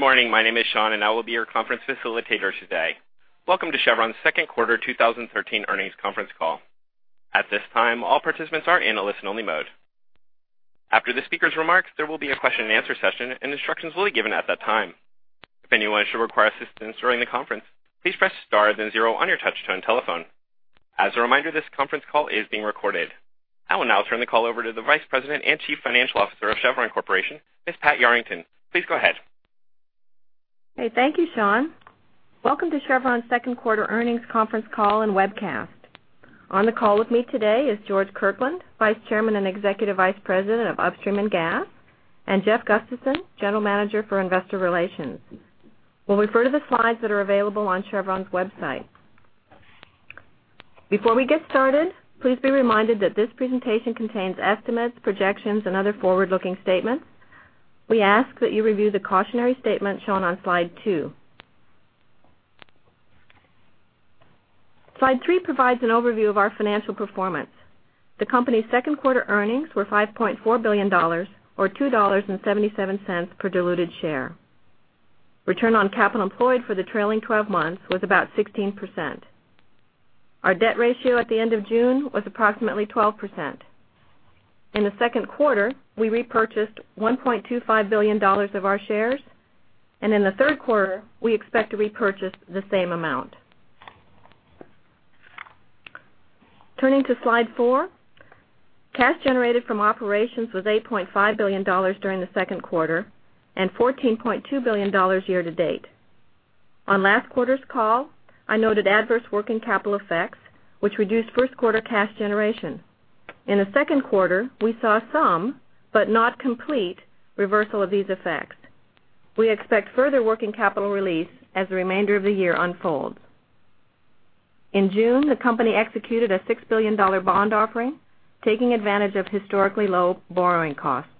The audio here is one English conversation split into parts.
Good morning. My name is Sean, and I will be your conference facilitator today. Welcome to Chevron's second quarter 2013 earnings conference call. At this time, all participants are in a listen-only mode. After the speaker's remarks, there will be a question and answer session, and instructions will be given at that time. If anyone should require assistance during the conference, please press star then zero on your touch-tone telephone. As a reminder, this conference call is being recorded. I will now turn the call over to the Vice President and Chief Financial Officer of Chevron Corporation, Ms. Pat Yarrington. Please go ahead. Hey, thank you, Sean. Welcome to Chevron's second quarter earnings conference call and webcast. On the call with me today is George Kirkland, Vice Chairman and Executive Vice President of Upstream and Gas, and Jeff Gustavson, General Manager for Investor Relations. We'll refer to the slides that are available on Chevron's website. Before we get started, please be reminded that this presentation contains estimates, projections, and other forward-looking statements. We ask that you review the cautionary statement shown on slide two. Slide three provides an overview of our financial performance. The company's second-quarter earnings were $5.4 billion, or $2.77 per diluted share. Return on capital employed for the trailing 12 months was about 16%. Our debt ratio at the end of June was approximately 12%. In the second quarter, we repurchased $1.25 billion of our shares, and in the third quarter, we expect to repurchase the same amount. Turning to slide four, cash generated from operations was $8.5 billion during the second quarter and $14.2 billion year-to-date. On last quarter's call, I noted adverse working capital effects, which reduced first-quarter cash generation. In the second quarter, we saw some, but not complete, reversal of these effects. We expect further working capital release as the remainder of the year unfolds. In June, the company executed a $6 billion bond offering, taking advantage of historically low borrowing costs.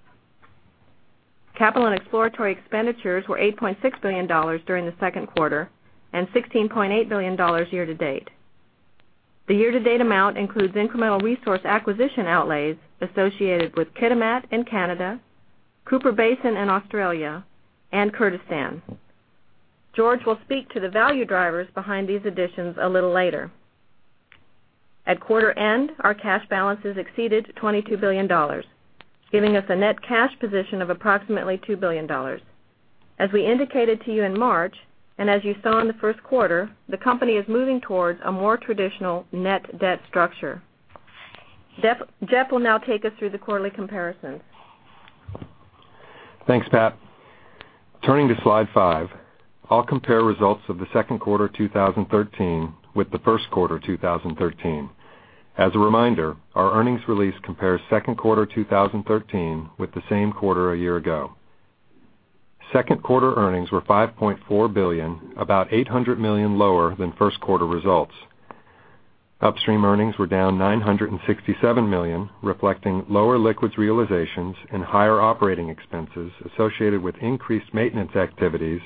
Capital and exploratory expenditures were $8.6 billion during the second quarter and $16.8 billion year-to-date. The year-to-date amount includes incremental resource acquisition outlays associated with Kitimat in Canada, Cooper Basin in Australia, and Kurdistan. George will speak to the value drivers behind these additions a little later. At quarter end, our cash balances exceeded $22 billion, giving us a net cash position of approximately $2 billion. As we indicated to you in March, and as you saw in the first quarter, the company is moving towards a more traditional net debt structure. Jeff will now take us through the quarterly comparisons. Thanks, Pat. Turning to slide five, I'll compare results of the second quarter 2013 with the first quarter 2013. As a reminder, our earnings release compares second quarter 2013 with the same quarter a year ago. Second quarter earnings were $5.4 billion, about $800 million lower than first quarter results. Upstream earnings were down $967 million, reflecting lower liquids realizations and higher operating expenses associated with increased maintenance activities,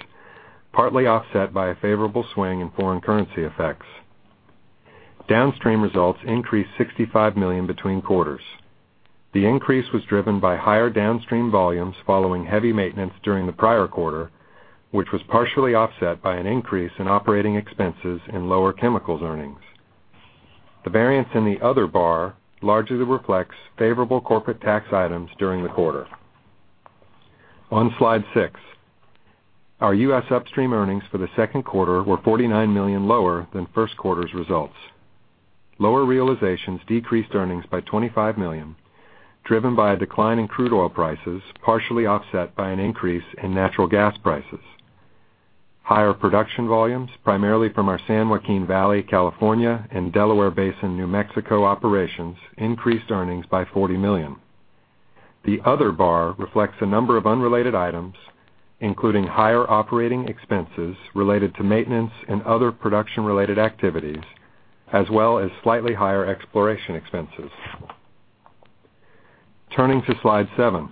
partly offset by a favorable swing in foreign currency effects. Downstream results increased $65 million between quarters. The increase was driven by higher downstream volumes following heavy maintenance during the prior quarter, which was partially offset by an increase in operating expenses in lower chemicals earnings. The variance in the "other" bar largely reflects favorable corporate tax items during the quarter. On slide six, our U.S. upstream earnings for the second quarter were $49 million lower than first quarter's results. Lower realizations decreased earnings by $25 million, driven by a decline in crude oil prices, partially offset by an increase in natural gas prices. Higher production volumes, primarily from our San Joaquin Valley, California, and Delaware Basin, New Mexico operations, increased earnings by $40 million. The other bar reflects a number of unrelated items, including higher operating expenses related to maintenance and other production-related activities, as well as slightly higher exploration expenses. Turning to slide seven.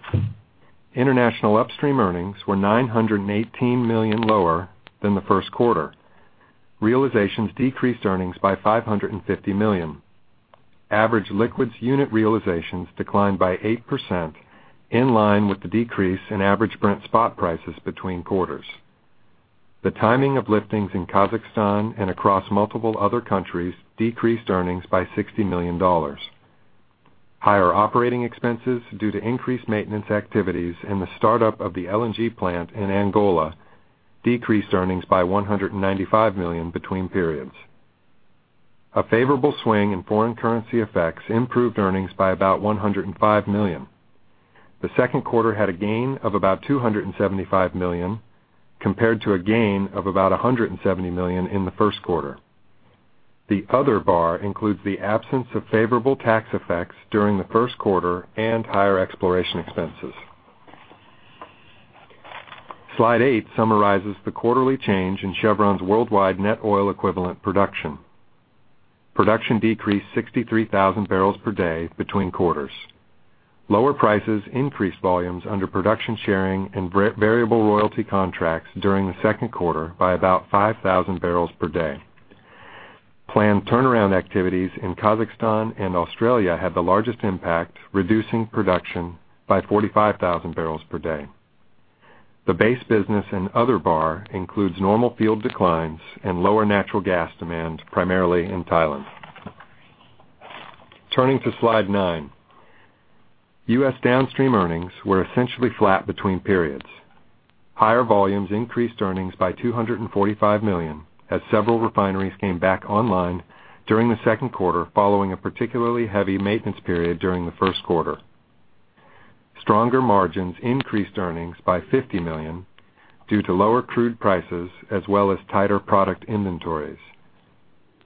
International upstream earnings were $918 million lower than the first quarter. Realizations decreased earnings by $550 million. Average liquids unit realizations declined by 8%, in line with the decrease in average Brent spot prices between quarters. The timing of liftings in Kazakhstan and across multiple other countries decreased earnings by $60 million. Higher operating expenses due to increased maintenance activities and the startup of the LNG plant in Angola decreased earnings by $195 million between periods. A favorable swing in foreign currency effects improved earnings by about $105 million. The second quarter had a gain of about $275 million, compared to a gain of about $170 million in the first quarter. The other bar includes the absence of favorable tax effects during the first quarter and higher exploration expenses. Slide eight summarizes the quarterly change in Chevron's worldwide net oil-equivalent production. Production decreased 63,000 barrels per day between quarters. Lower prices increased volumes under Production Sharing and variable royalty contracts during the second quarter by about 5,000 barrels per day. Planned turnaround activities in Kazakhstan and Australia had the largest impact, reducing production by 45,000 barrels per day. The base business and other bar includes normal field declines and lower natural gas demand, primarily in Thailand. Turning to slide nine. U.S. downstream earnings were essentially flat between periods. Higher volumes increased earnings by $245 million, as several refineries came back online during the second quarter following a particularly heavy maintenance period during the first quarter. Stronger margins increased earnings by $50 million due to lower crude prices as well as tighter product inventories.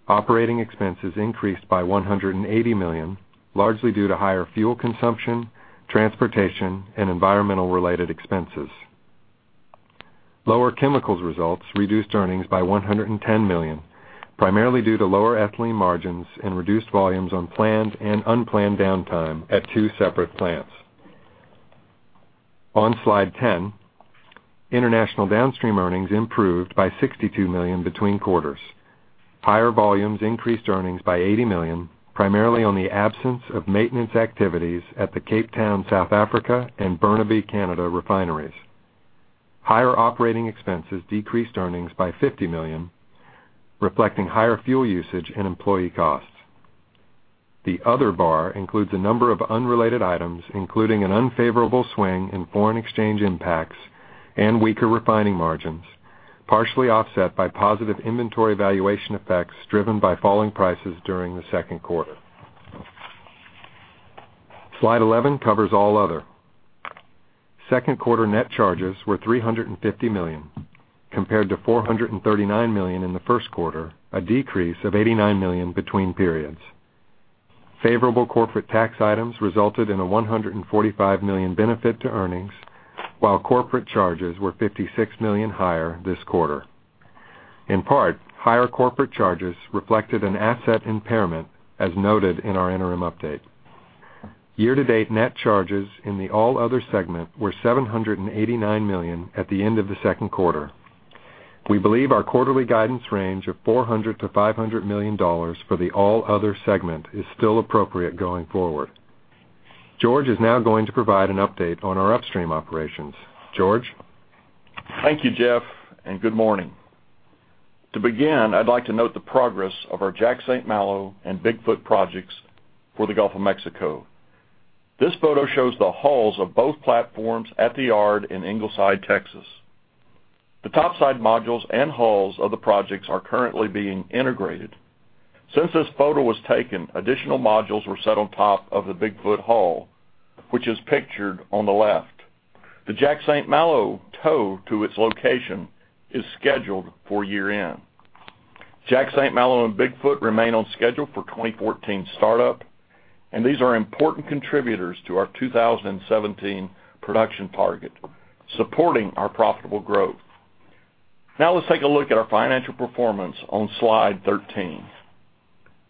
Operating expenses increased by $180 million, largely due to higher fuel consumption, transportation, and environmental-related expenses. Lower chemicals results reduced earnings by $110 million, primarily due to lower ethylene margins and reduced volumes on planned and unplanned downtime at two separate plants. On slide 10, international downstream earnings improved by $62 million between quarters. Higher volumes increased earnings by $80 million, primarily on the absence of maintenance activities at the Cape Town, South Africa, and Burnaby, Canada refineries. Higher operating expenses decreased earnings by $50 million, reflecting higher fuel usage and employee costs. The All Other includes a number of unrelated items, including an unfavorable swing in foreign exchange impacts and weaker refining margins, partially offset by positive inventory valuation effects driven by falling prices during the second quarter. Slide 11 covers All Other. Second quarter net charges were $350 million compared to $439 million in the first quarter, a decrease of $89 million between periods. Favorable corporate tax items resulted in a $145 million benefit to earnings, while corporate charges were $56 million higher this quarter. In part, higher corporate charges reflected an asset impairment, as noted in our interim update. Year-to-date net charges in the All Other segment were $789 million at the end of the second quarter. We believe our quarterly guidance range of $400 million-$500 million for the All Other segment is still appropriate going forward. George is now going to provide an update on our upstream operations. George? Thank you, Jeff. Good morning. To begin, I'd like to note the progress of our Jack/St. Malo and Bigfoot projects for the Gulf of Mexico. This photo shows the hulls of both platforms at the yard in Ingleside, Texas. The topside modules and hulls of the projects are currently being integrated. Since this photo was taken, additional modules were set on top of the Bigfoot hull, which is pictured on the left. The Jack/St. Malo tow to its location is scheduled for year-end. Jack/St. Malo and Bigfoot remain on schedule for 2014 startup, and these are important contributors to our 2017 production target, supporting our profitable growth. Now let's take a look at our financial performance on slide 13.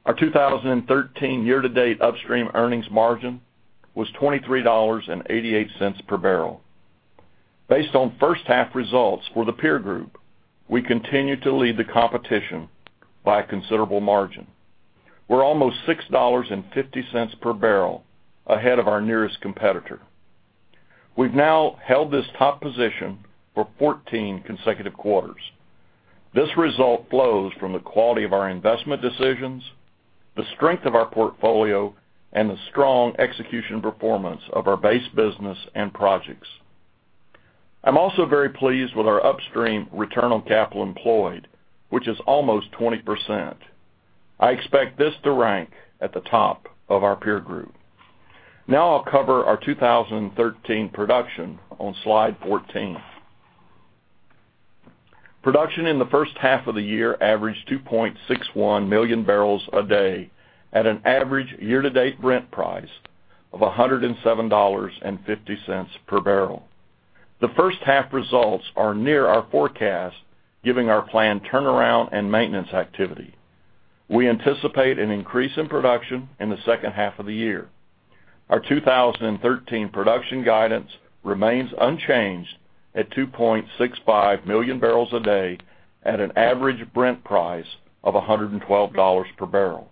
Our 2013 year-to-date upstream earnings margin was $23.88 per barrel. Based on first half results for the peer group, we continue to lead the competition by a considerable margin. We're almost $6.50 per barrel ahead of our nearest competitor. We've now held this top position for 14 consecutive quarters. This result flows from the quality of our investment decisions, the strength of our portfolio, and the strong execution performance of our base business and projects. I'm also very pleased with our upstream return on capital employed, which is almost 20%. I expect this to rank at the top of our peer group. Now I'll cover our 2013 production on slide 14. Production in the first half of the year averaged 2.61 million barrels a day at an average year-to-date Brent price of $107.50 per barrel. The first half results are near our forecast, giving our planned turnaround and maintenance activity. We anticipate an increase in production in the second half of the year. Our 2013 production guidance remains unchanged at 2.65 million barrels a day at an average Brent price of $112 per barrel.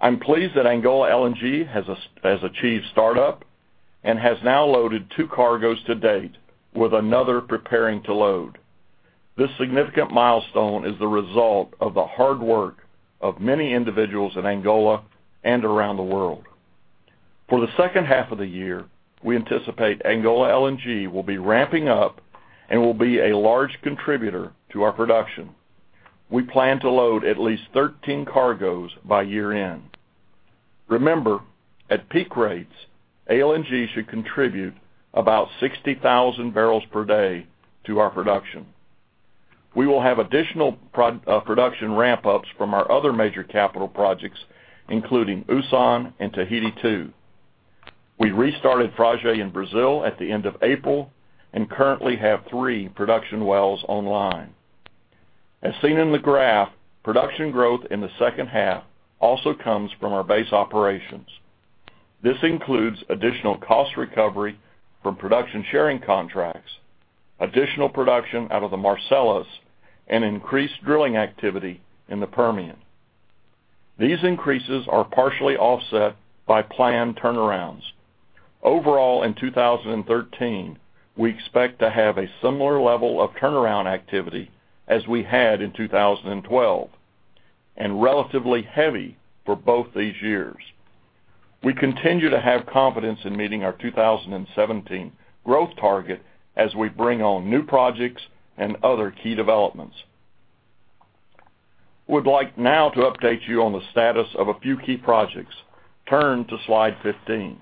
I'm pleased that Angola LNG has achieved startup and has now loaded two cargoes to date with another preparing to load. This significant milestone is the result of the hard work of many individuals in Angola and around the world. For the second half of the year, we anticipate Angola LNG will be ramping up and will be a large contributor to our production. We plan to load at least 13 cargoes by year-end. Remember, at peak rates, LNG should contribute about 60,000 barrels per day to our production. We will have additional production ramp-ups from our other major capital projects, including Usan and Tahiti II. We restarted Frade in Brazil at the end of April and currently have three production wells online. As seen in the graph, production growth in the second half also comes from our base operations. This includes additional cost recovery from production sharing contracts, additional production out of the Marcellus, and increased drilling activity in the Permian. These increases are partially offset by planned turnarounds. Overall, in 2013, we expect to have a similar level of turnaround activity as we had in 2012, and relatively heavy for both these years. We continue to have confidence in meeting our 2017 growth target as we bring on new projects and other key developments. We'd like now to update you on the status of a few key projects. Turn to slide 15.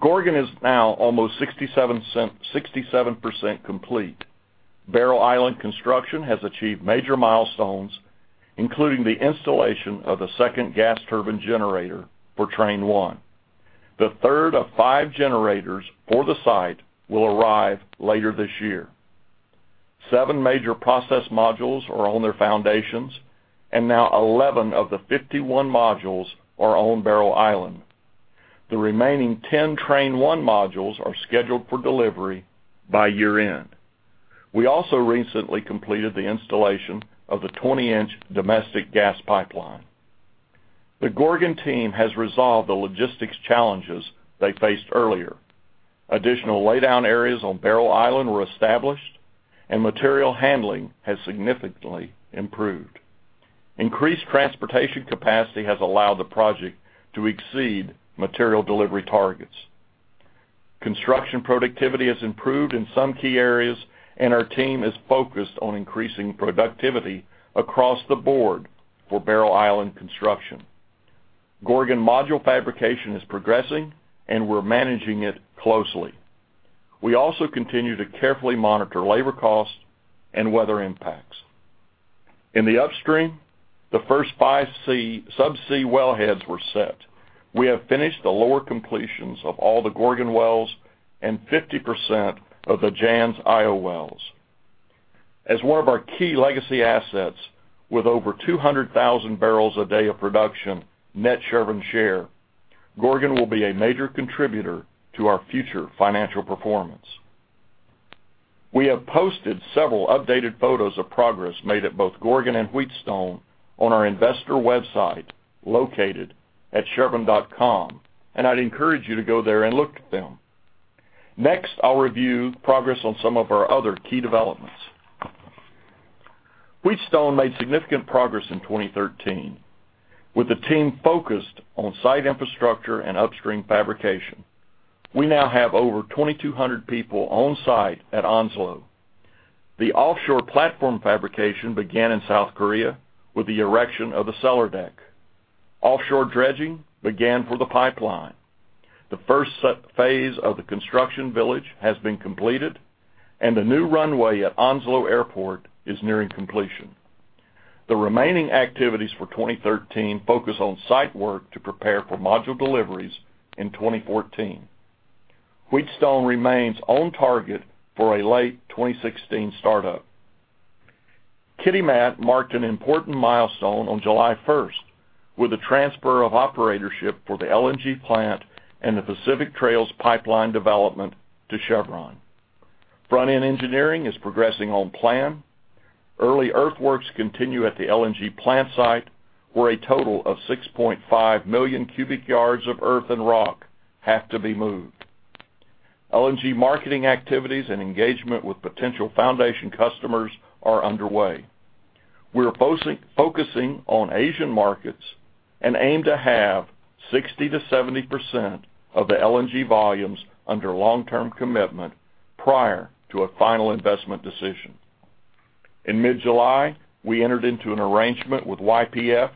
Gorgon is now almost 67% complete. Barrow Island construction has achieved major milestones, including the installation of the second gas turbine generator for train one. The third of five generators for the site will arrive later this year. Seven major process modules are on their foundations, and now 11 of the 51 modules are on Barrow Island. The remaining 10 train one modules are scheduled for delivery by year-end. We also recently completed the installation of the 20-inch domestic gas pipeline. The Gorgon team has resolved the logistics challenges they faced earlier. Additional laydown areas on Barrow Island were established, and material handling has significantly improved. Increased transportation capacity has allowed the project to exceed material delivery targets. Construction productivity has improved in some key areas, and our team is focused on increasing productivity across the board for Barrow Island construction. Gorgon module fabrication is progressing, and we're managing it closely. We also continue to carefully monitor labor costs and weather impacts. In the upstream, the first five sub-sea wellheads were set. We have finished the lower completions of all the Gorgon wells and 50% of the Jansz-Io wells. As one of our key legacy assets with over 200,000 barrels a day of production net Chevron share, Gorgon will be a major contributor to our future financial performance. We have posted several updated photos of progress made at both Gorgon and Wheatstone on our investor website located at chevron.com, and I'd encourage you to go there and look at them. Next, I'll review progress on some of our other key developments. Wheatstone made significant progress in 2013, with the team focused on site infrastructure and upstream fabrication. We now have over 2,200 people on site at Onslow. The offshore platform fabrication began in South Korea with the erection of the cellar deck. Offshore dredging began for the pipeline. The first phase of the construction village has been completed, and the new runway at Onslow Airport is nearing completion. The remaining activities for 2013 focus on site work to prepare for module deliveries in 2014. Wheatstone remains on target for a late 2016 startup. Kitimat marked an important milestone on July 1st with the transfer of operatorship for the LNG plant and the Pacific Trail Pipeline development to Chevron. Front-End Engineering is progressing on plan. Early earthworks continue at the LNG plant site, where a total of 6.5 million cubic yards of earth and rock have to be moved. LNG marketing activities and engagement with potential foundation customers are underway. We're focusing on Asian markets and aim to have 60%-70% of the LNG volumes under long-term commitment prior to a Final Investment Decision. In mid-July, we entered into an arrangement with YPF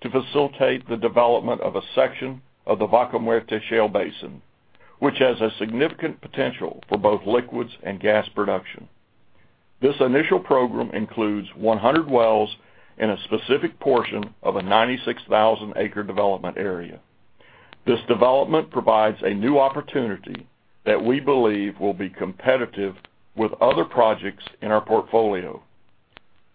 to facilitate the development of a section of the Vaca Muerta shale basin, which has a significant potential for both liquids and gas production. This initial program includes 100 wells in a specific portion of a 96,000-acre development area. This development provides a new opportunity that we believe will be competitive with other projects in our portfolio.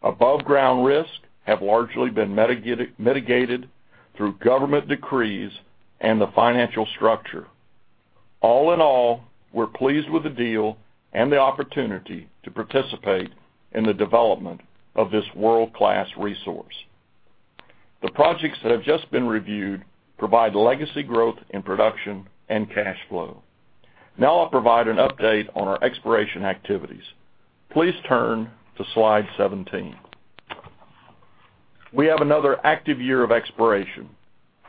Above-ground risks have largely been mitigated through government decrees and the financial structure. All in all, we're pleased with the deal and the opportunity to participate in the development of this world-class resource. The projects that have just been reviewed provide legacy growth in production and cash flow. Now I'll provide an update on our exploration activities. Please turn to slide 17. We have another active year of exploration,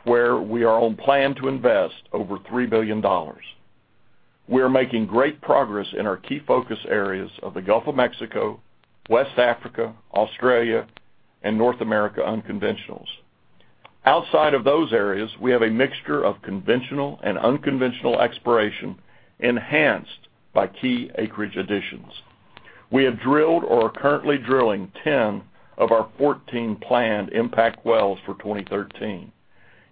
where we are on plan to invest over $3 billion. We are making great progress in our key focus areas of the Gulf of Mexico, West Africa, Australia, and North America unconventionals. Outside of those areas, we have a mixture of conventional and unconventional exploration enhanced by key acreage additions. We have drilled or are currently drilling 10 of our 14 planned impact wells for 2013,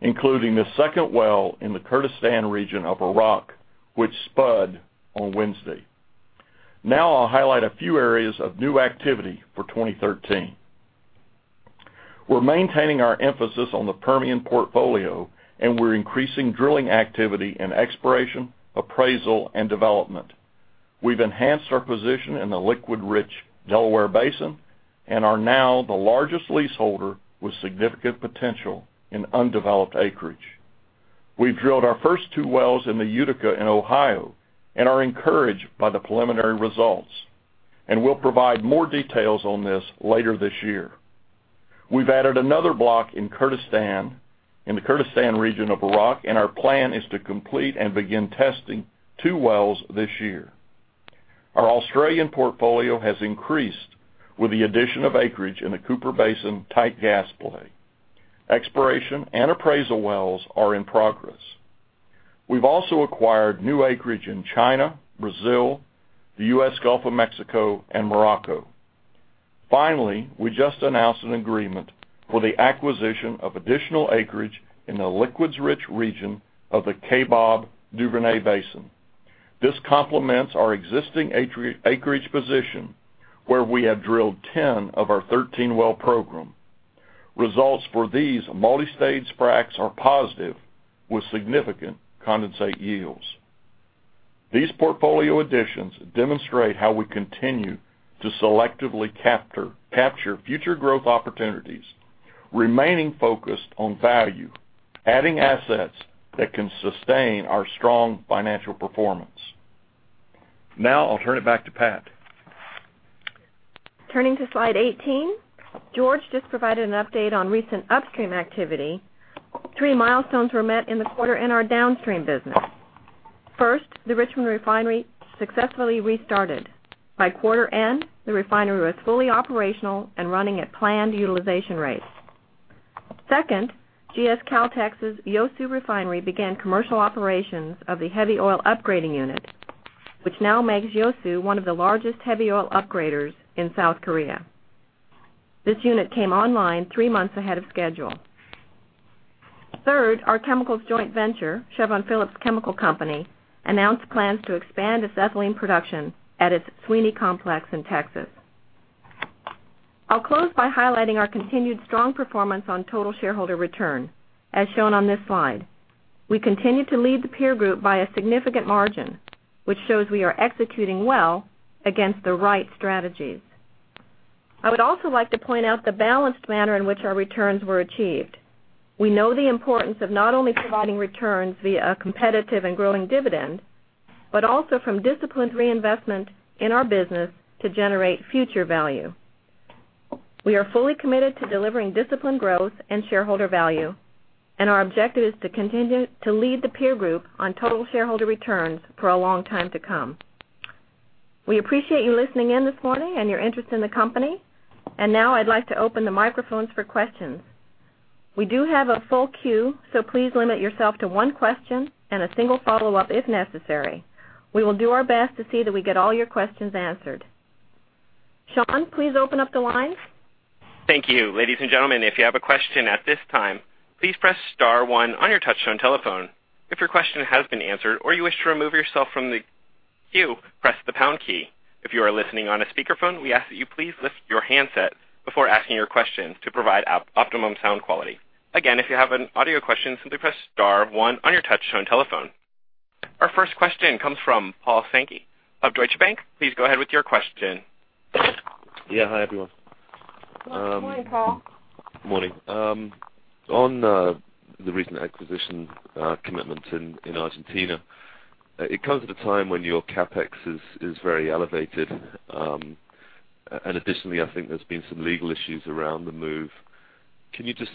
including the second well in the Kurdistan region of Iraq, which spud on Wednesday. Now I'll highlight a few areas of new activity for 2013. We're maintaining our emphasis on the Permian portfolio, and we're increasing drilling activity in exploration, appraisal, and development. We've enhanced our position in the liquid-rich Delaware Basin and are now the largest leaseholder with significant potential in undeveloped acreage. We've drilled our first two wells in the Utica in Ohio and are encouraged by the preliminary results. We'll provide more details on this later this year. We've added another block in the Kurdistan region of Iraq, and our plan is to complete and begin testing two wells this year. Our Australian portfolio has increased with the addition of acreage in the Cooper Basin tight gas play. Exploration and appraisal wells are in progress. We've also acquired new acreage in China, Brazil, the U.S. Gulf of Mexico, and Morocco. Finally, we just announced an agreement for the acquisition of additional acreage in the liquids-rich region of the Kaybob Duvernay basin. This complements our existing acreage position, where we have drilled 10 of our 13-well program. Results for these multistage fracs are positive, with significant condensate yields. These portfolio additions demonstrate how we continue to selectively capture future growth opportunities, remaining focused on value, adding assets that can sustain our strong financial performance. Now I'll turn it back to Pat. Turning to slide 18, George just provided an update on recent upstream activity. Three milestones were met in the quarter in our downstream business. First, the Richmond Refinery successfully restarted. By quarter end, the refinery was fully operational and running at planned utilization rates. Second, GS Caltex's Ulsan Refinery began commercial operations of the heavy oil upgrading unit, which now makes Ulsan one of the largest heavy oil upgraders in South Korea. This unit came online three months ahead of schedule. Third, our chemicals joint venture, Chevron Phillips Chemical Company, announced plans to expand its ethylene production at its Sweeny complex in Texas. I'll close by highlighting our continued strong performance on total shareholder return, as shown on this slide. We continue to lead the peer group by a significant margin, which shows we are executing well against the right strategies. I would also like to point out the balanced manner in which our returns were achieved. We know the importance of not only providing returns via a competitive and growing dividend, but also from disciplined reinvestment in our business to generate future value. We are fully committed to delivering disciplined growth and shareholder value. Now our objective is to continue to lead the peer group on total shareholder returns for a long time to come. We appreciate you listening in this morning and your interest in the company. Now I'd like to open the microphones for questions. We do have a full queue, so please limit yourself to one question and a single follow-up if necessary. We will do our best to see that we get all your questions answered. Sean, please open up the lines. Thank you. Ladies and gentlemen, if you have a question at this time, please press *1 on your touchtone telephone. If your question has been answered or you wish to remove yourself from the queue, press the # key. If you are listening on a speakerphone, we ask that you please lift your handset before asking your question to provide optimum sound quality. Again, if you have an audio question, simply press *1 on your touchtone telephone. Our first question comes from Paul Sankey of Deutsche Bank. Please go ahead with your question. Yeah. Hi, everyone. Good morning, Paul. Morning. Additionally, I think there's been some legal issues around the move. Can you just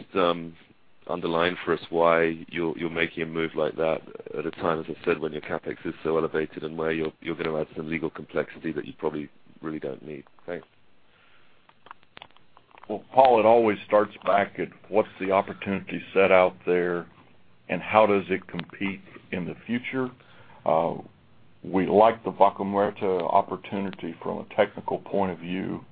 underline for us why you're making a move like that at a time, as I said, when your CapEx is so elevated and where you're going to add some legal complexity that you probably really don't need? Thanks. Well, Paul, it always starts back at what's the opportunity set out there, and how does it compete in the future? We like the Vaca Muerta opportunity from a technical point of view.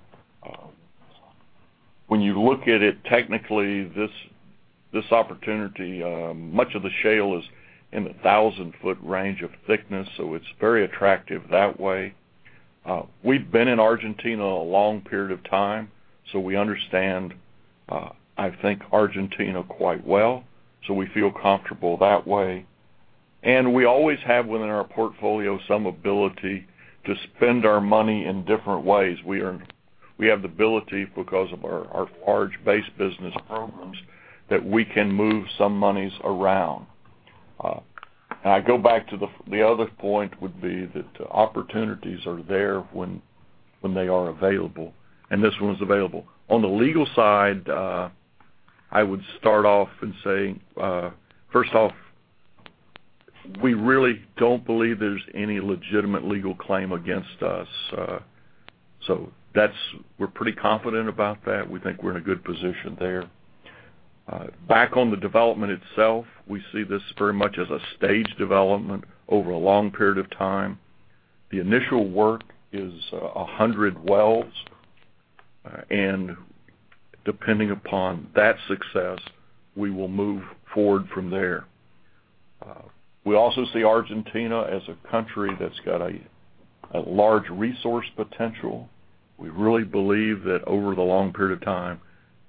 When you look at it technically, this opportunity, much of the shale is in the 1,000-foot range of thickness, so it's very attractive that way. We've been in Argentina a long period of time, so we understand, I think, Argentina quite well, so we feel comfortable that way. We always have, within our portfolio, some ability to spend our money in different ways. We have the ability, because of our large base business programs, that we can move some monies around. I go back to the other point would be that opportunities are there when they are available, and this one's available. On the legal side, I would start off and say, first off, we really don't believe there's any legitimate legal claim against us. We're pretty confident about that. We think we're in a good position there. Back on the development itself, we see this very much as a staged development over a long period of time. The initial work is 100 wells, depending upon that success, we will move forward from there. We also see Argentina as a country that's got a large resource potential. We really believe that over the long period of time,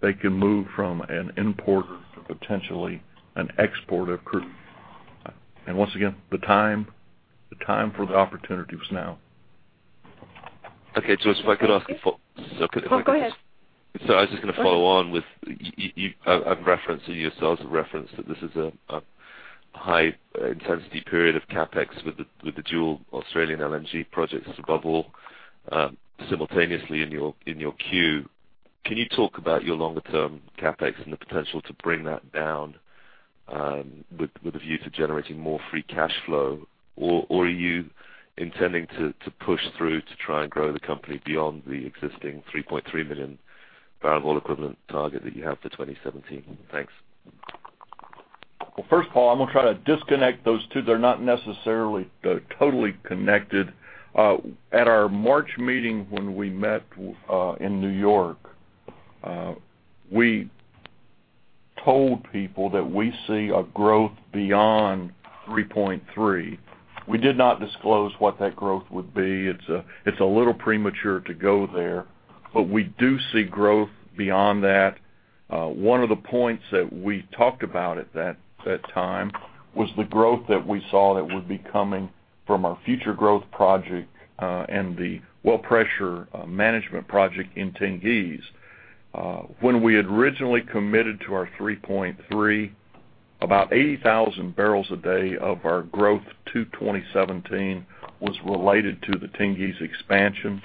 they can move from an importer to potentially an exporter of crude. Once again, the time for the opportunity is now. Okay, George, if I could ask a follow-up? Well, go ahead. Sorry, I was just going to follow on with a reference, and yourself as a reference, that this is a high intensity period of CapEx with the dual Australian LNG projects above all simultaneously in your queue. Can you talk about your longer term CapEx and the potential to bring that down with a view to generating more free cash flow? Are you intending to push through to try and grow the company beyond the existing 3.3 million barrel oil equivalent target that you have for 2017? Thanks. Well, first, Paul, I'm going to try to disconnect those two. They're not necessarily totally connected. At our March meeting when we met in New York, we told people that we see a growth beyond 3.3. We did not disclose what that growth would be. It's a little premature to go there, but we do see growth beyond that. One of the points that we talked about at that time was the growth that we saw that would be coming from our Future Growth Project and the Wellhead Pressure Management Project in Tengiz. When we originally committed to our 3.3, about 80,000 barrels a day of our growth to 2017 was related to the Tengiz expansion.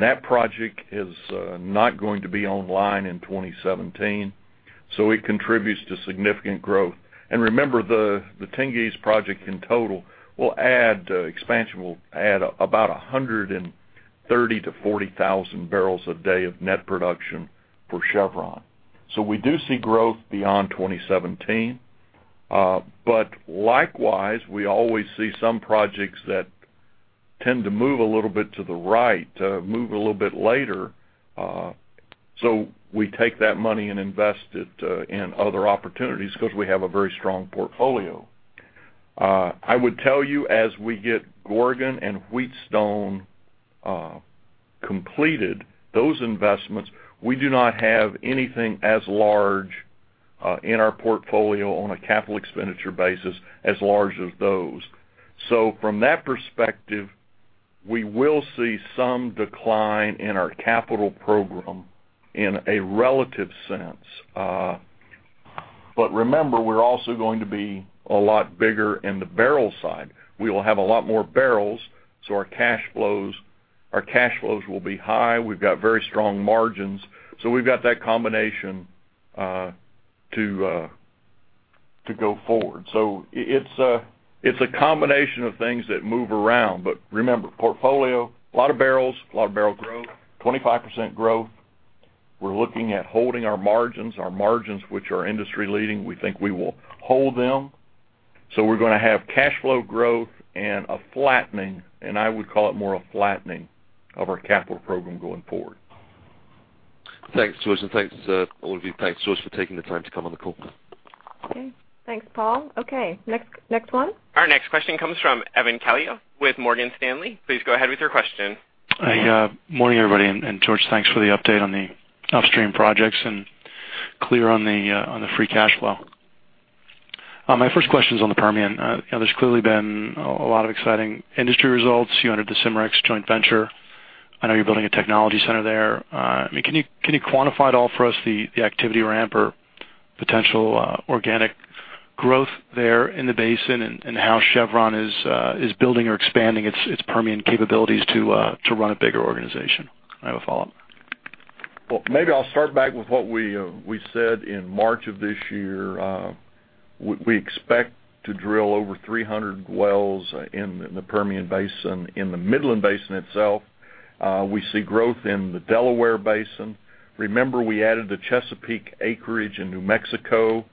That project is not going to be online in 2017. It contributes to significant growth. Remember, the Tengiz project in total will add, expansion will add about 130,000 to 140,000 barrels a day of net production for Chevron. We do see growth beyond 2017. Likewise, we always see some projects that tend to move a little bit to the right, move a little bit later. We take that money and invest it in other opportunities because we have a very strong portfolio. I would tell you, as we get Gorgon and Wheatstone completed, those investments, we do not have anything as large in our portfolio on a capital expenditure basis as large as those. From that perspective, we will see some decline in our capital program in a relative sense. Remember, we're also going to be a lot bigger in the barrel side. We will have a lot more barrels, our cash flows will be high. We've got very strong margins. We've got that combination to go forward. It's a combination of things that move around. Remember, portfolio, a lot of barrels, a lot of barrel growth, 25% growth. We're looking at holding our margins, which are industry leading. We think we will hold them. We're going to have cash flow growth and a flattening, and I would call it more a flattening of our capital program going forward. Thanks, George, and thanks all of you. Thanks, George, for taking the time to come on the call. Okay. Thanks, Paul. Okay, next one. Our next question comes from Evan Calio with Morgan Stanley. Please go ahead with your question. Morning, everybody, and George, thanks for the update on the upstream projects and clear on the free cash flow. My first question is on the Permian. There's clearly been a lot of exciting industry results. You entered the Cimarex joint venture. I know you're building a technology center there. Can you quantify at all for us the activity ramp or potential organic growth there in the Permian Basin and how Chevron is building or expanding its Permian capabilities to run a bigger organization? I have a follow-up. Well, maybe I'll start back with what we said in March of this year. We expect to drill over 300 wells in the Permian Basin. In the Midland Basin itself, we see growth in the Delaware Basin. Remember, we added the Chesapeake acreage in New Mexico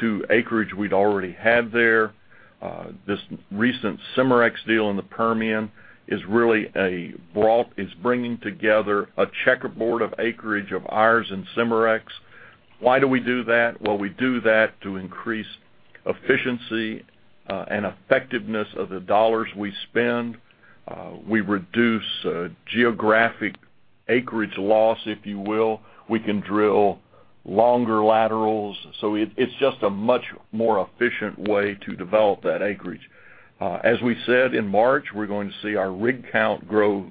to acreage we'd already had there. This recent Cimarex deal in the Permian is bringing together a checkerboard of acreage of ours and Cimarex. Why do we do that? Well, we do that to increase efficiency and effectiveness of the dollars we spend. We reduce geographic acreage loss, if you will. We can drill longer laterals. It's just a much more efficient way to develop that acreage. As we said in March, we're going to see our rig count grow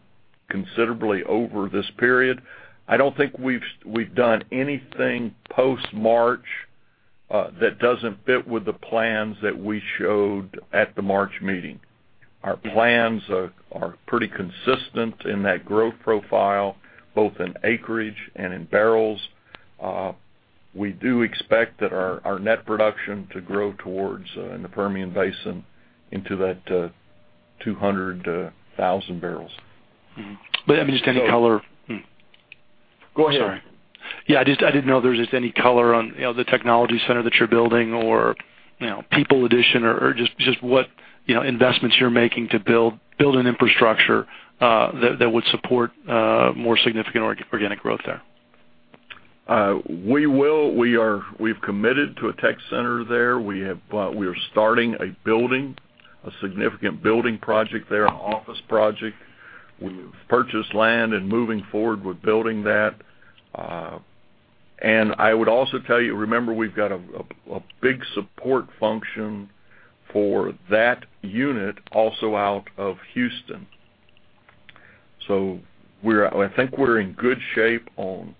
considerably over this period. I don't think we've done anything post-March that doesn't fit with the plans that we showed at the March meeting. Our plans are pretty consistent in that growth profile, both in acreage and in barrels. We do expect that our net production to grow towards in the Permian Basin into that 200,000 barrels. Mm-hmm. Just any color? Go ahead. Sorry. Yeah, I didn't know if there was just any color on the technology center that you're building or people addition or just what investments you're making to build an infrastructure that would support more significant organic growth there. We will. We've committed to a tech center there. We are starting a building, a significant building project there, an office project. We've purchased land and moving forward with building that. I would also tell you, remember, we've got a big support function for that unit also out of Houston. I think we're in good shape on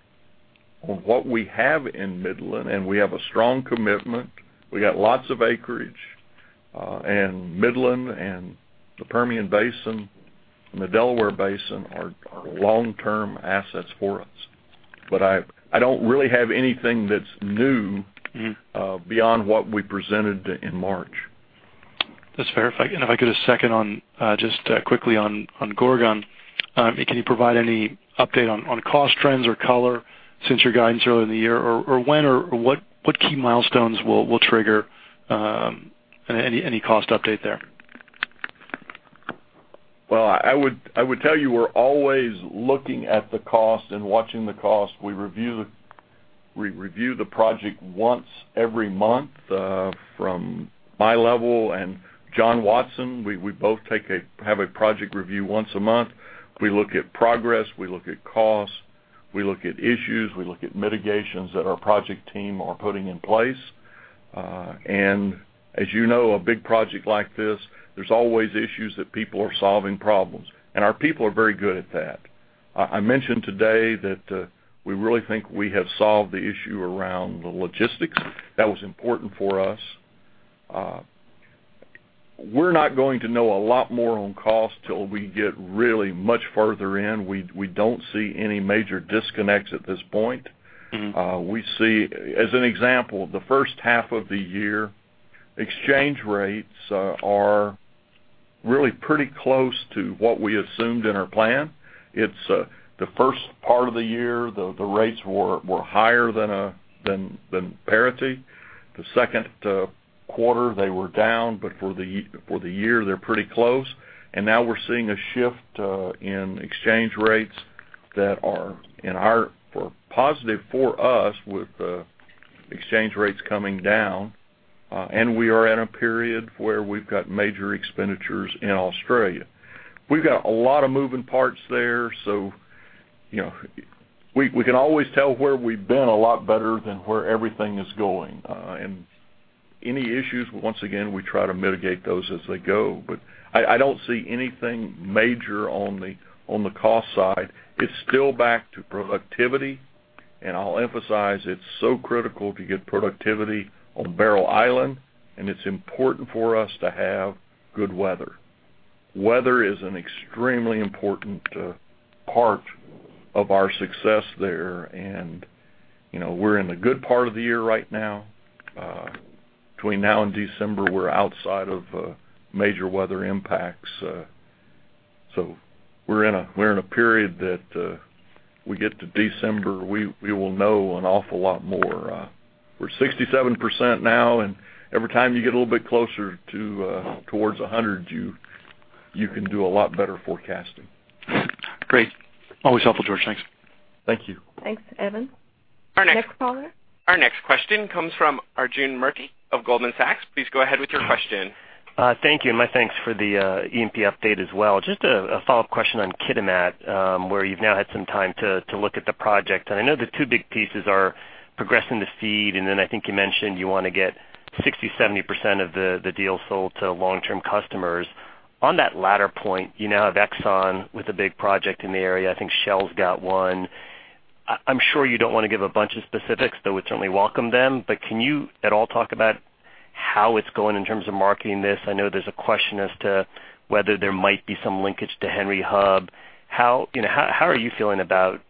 what we have in Midland, and we have a strong commitment. We got lots of acreage, and Midland and the Permian Basin and the Delaware Basin are long-term assets for us. I don't really have anything that's new beyond what we presented in March. That's fair. If I could, a second on, just quickly on Gorgon. Can you provide any update on cost trends or color since your guidance earlier in the year? When or what key milestones will trigger any cost update there? Well, I would tell you, we're always looking at the cost and watching the cost. We review the project once every month from my level and John Watson. We both have a project review once a month. We look at progress. We look at costs. We look at issues. We look at mitigations that our project team are putting in place. As you know, a big project like this, there's always issues that people are solving problems, and our people are very good at that. I mentioned today that we really think we have solved the issue around the logistics. That was important for us. We're not going to know a lot more on cost till we get really much further in. We don't see any major disconnects at this point. As an example, the first half of the year, exchange rates are really pretty close to what we assumed in our plan. It's the first part of the year, the rates were higher than parity. The second quarter, they were down, but for the year, they're pretty close. Now we're seeing a shift in exchange rates that are positive for us with exchange rates coming down. We are in a period where we've got major expenditures in Australia. We've got a lot of moving parts there, we can always tell where we've been a lot better than where everything is going. Any issues, once again, we try to mitigate those as they go. I don't see anything major on the cost side. It's still back to productivity. I'll emphasize it's so critical to get productivity on Barrow Island. It's important for us to have good weather. Weather is an extremely important part of our success there. We're in the good part of the year right now. Between now and December, we're outside of major weather impacts. We're in a period that we get to December, we will know an awful lot more. We're 67% now. Every time you get a little bit closer towards 100, you can do a lot better forecasting. Great. Always helpful, George. Thanks. Thank you. Thanks, Evan. Our next- Next caller. Our next question comes from Arjun Murti of Goldman Sachs. Please go ahead with your question. Thank you, and my thanks for the E&P update as well. Just a follow-up question on Kitimat, where you've now had some time to look at the project. I know the two big pieces are progressing the FEED, and then I think you mentioned you want to get 60%, 70% of the deal sold to long-term customers. On that latter point, you now have Exxon with a big project in the area. I think Shell's got one. I'm sure you don't want to give a bunch of specifics, though we'd certainly welcome them, but can you at all talk about how it's going in terms of marketing this? I know there's a question as to whether there might be some linkage to Henry Hub. How are you feeling about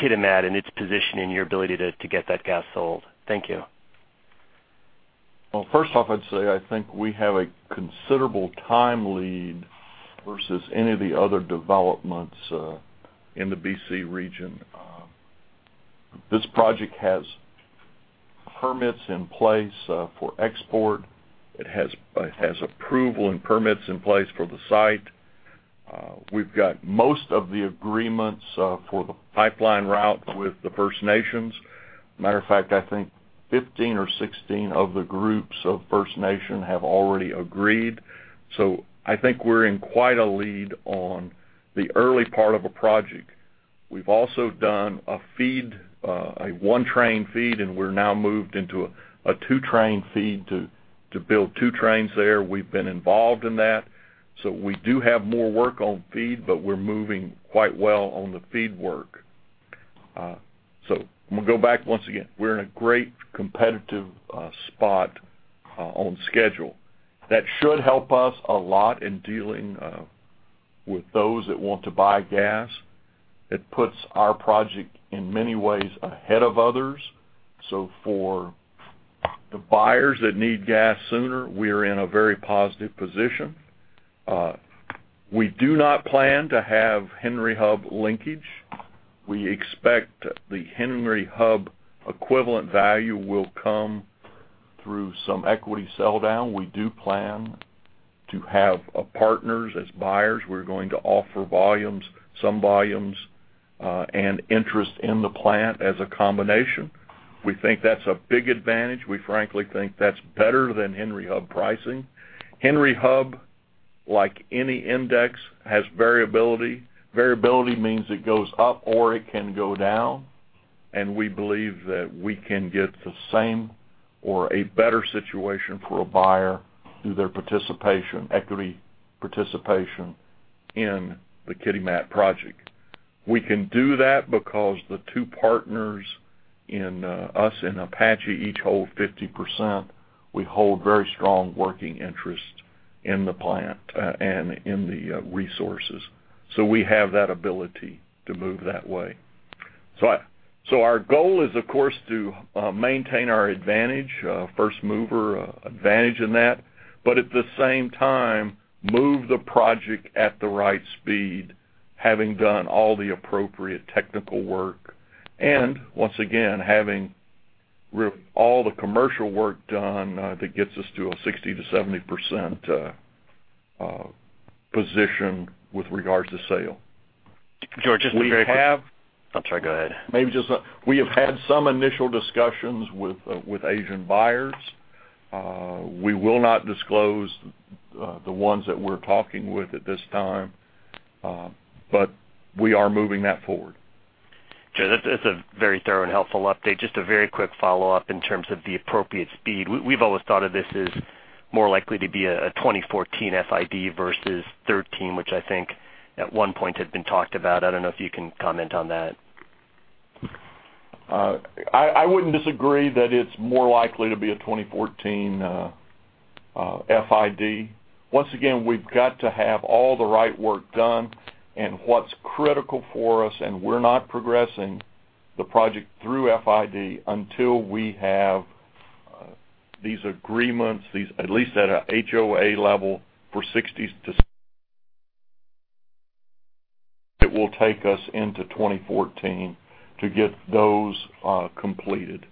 Kitimat and its position in your ability to get that gas sold? Thank you. Well, first off, I'd say I think we have a considerable time lead versus any of the other developments in the B.C. region. This project has permits in place for export. It has approval and permits in place for the site. We've got most of the agreements for the pipeline route with the First Nations. Matter of fact, I think 15 or 16 of the groups of First Nations have already agreed. I think we're in quite a lead on the early part of a project. We've also done a FEED, a one-train FEED, and we're now moved into a two-train FEED to build two trains there. We've been involved in that. We do have more work on FEED, but we're moving quite well on the FEED work. I'm going to go back once again. We're in a great competitive spot on schedule. That should help us a lot in dealing with those that want to buy gas. It puts our project, in many ways, ahead of others. For the buyers that need gas sooner, we're in a very positive position. We do not plan to have Henry Hub linkage. We expect the Henry Hub equivalent value will come through some equity sell down, we do plan to have partners as buyers. We're going to offer some volumes and interest in the plant as a combination. We think that's a big advantage. We frankly think that's better than Henry Hub pricing. Henry Hub, like any index, has variability. Variability means it goes up or it can go down, and we believe that we can get the same or a better situation for a buyer through their equity participation in the Kitimat project. We can do that because the two partners, us and Apache, each hold 50%. We hold very strong working interest in the plant and in the resources. We have that ability to move that way. Our goal is, of course, to maintain our advantage, first-mover advantage in that, but at the same time, move the project at the right speed, having done all the appropriate technical work and, once again, having all the commercial work done that gets us to a 60%-70% position with regards to sale. George, just a very quick. We have- I'm sorry, go ahead. We have had some initial discussions with Asian buyers. We will not disclose the ones that we're talking with at this time. We are moving that forward. George, that's a very thorough and helpful update. Just a very quick follow-up in terms of the appropriate speed. We've always thought of this as more likely to be a 2014 FID versus 2013, which I think at one point had been talked about. I don't know if you can comment on that. I wouldn't disagree that it's more likely to be a 2014 FID. Once again, we've got to have all the right work done and what's critical for us, and we're not progressing the project through FID until we have these agreements, at least at a HOA level for 60. It will take us into 2014 to get those completed.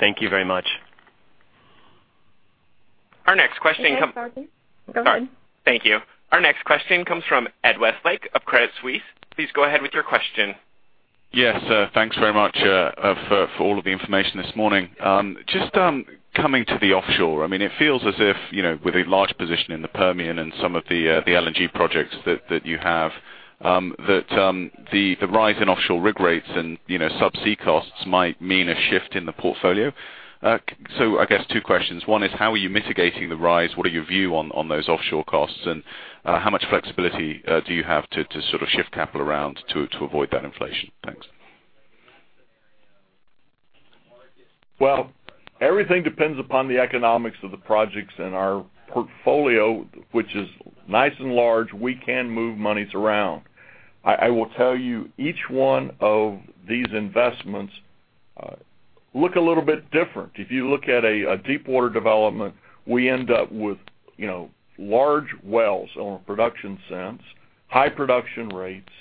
Thank you very much. Our next question comes. Hey, sorry. Go ahead. Thank you. Our next question comes from Ed Westlake of Credit Suisse. Please go ahead with your question. Yes, thanks very much for all of the information this morning. Just coming to the offshore, it feels as if, with a large position in the Permian and some of the LNG projects that you have, that the rise in offshore rig rates and subsea costs might mean a shift in the portfolio. I guess two questions. One is, how are you mitigating the rise? What are your view on those offshore costs, and how much flexibility do you have to sort of shift capital around to avoid that inflation? Thanks. Well, everything depends upon the economics of the projects in our portfolio, which is nice and large. We can move monies around. I will tell you, each one of these investments look a little bit different. If you look at a deepwater development, we end up with large wells on a production sense, high production rates,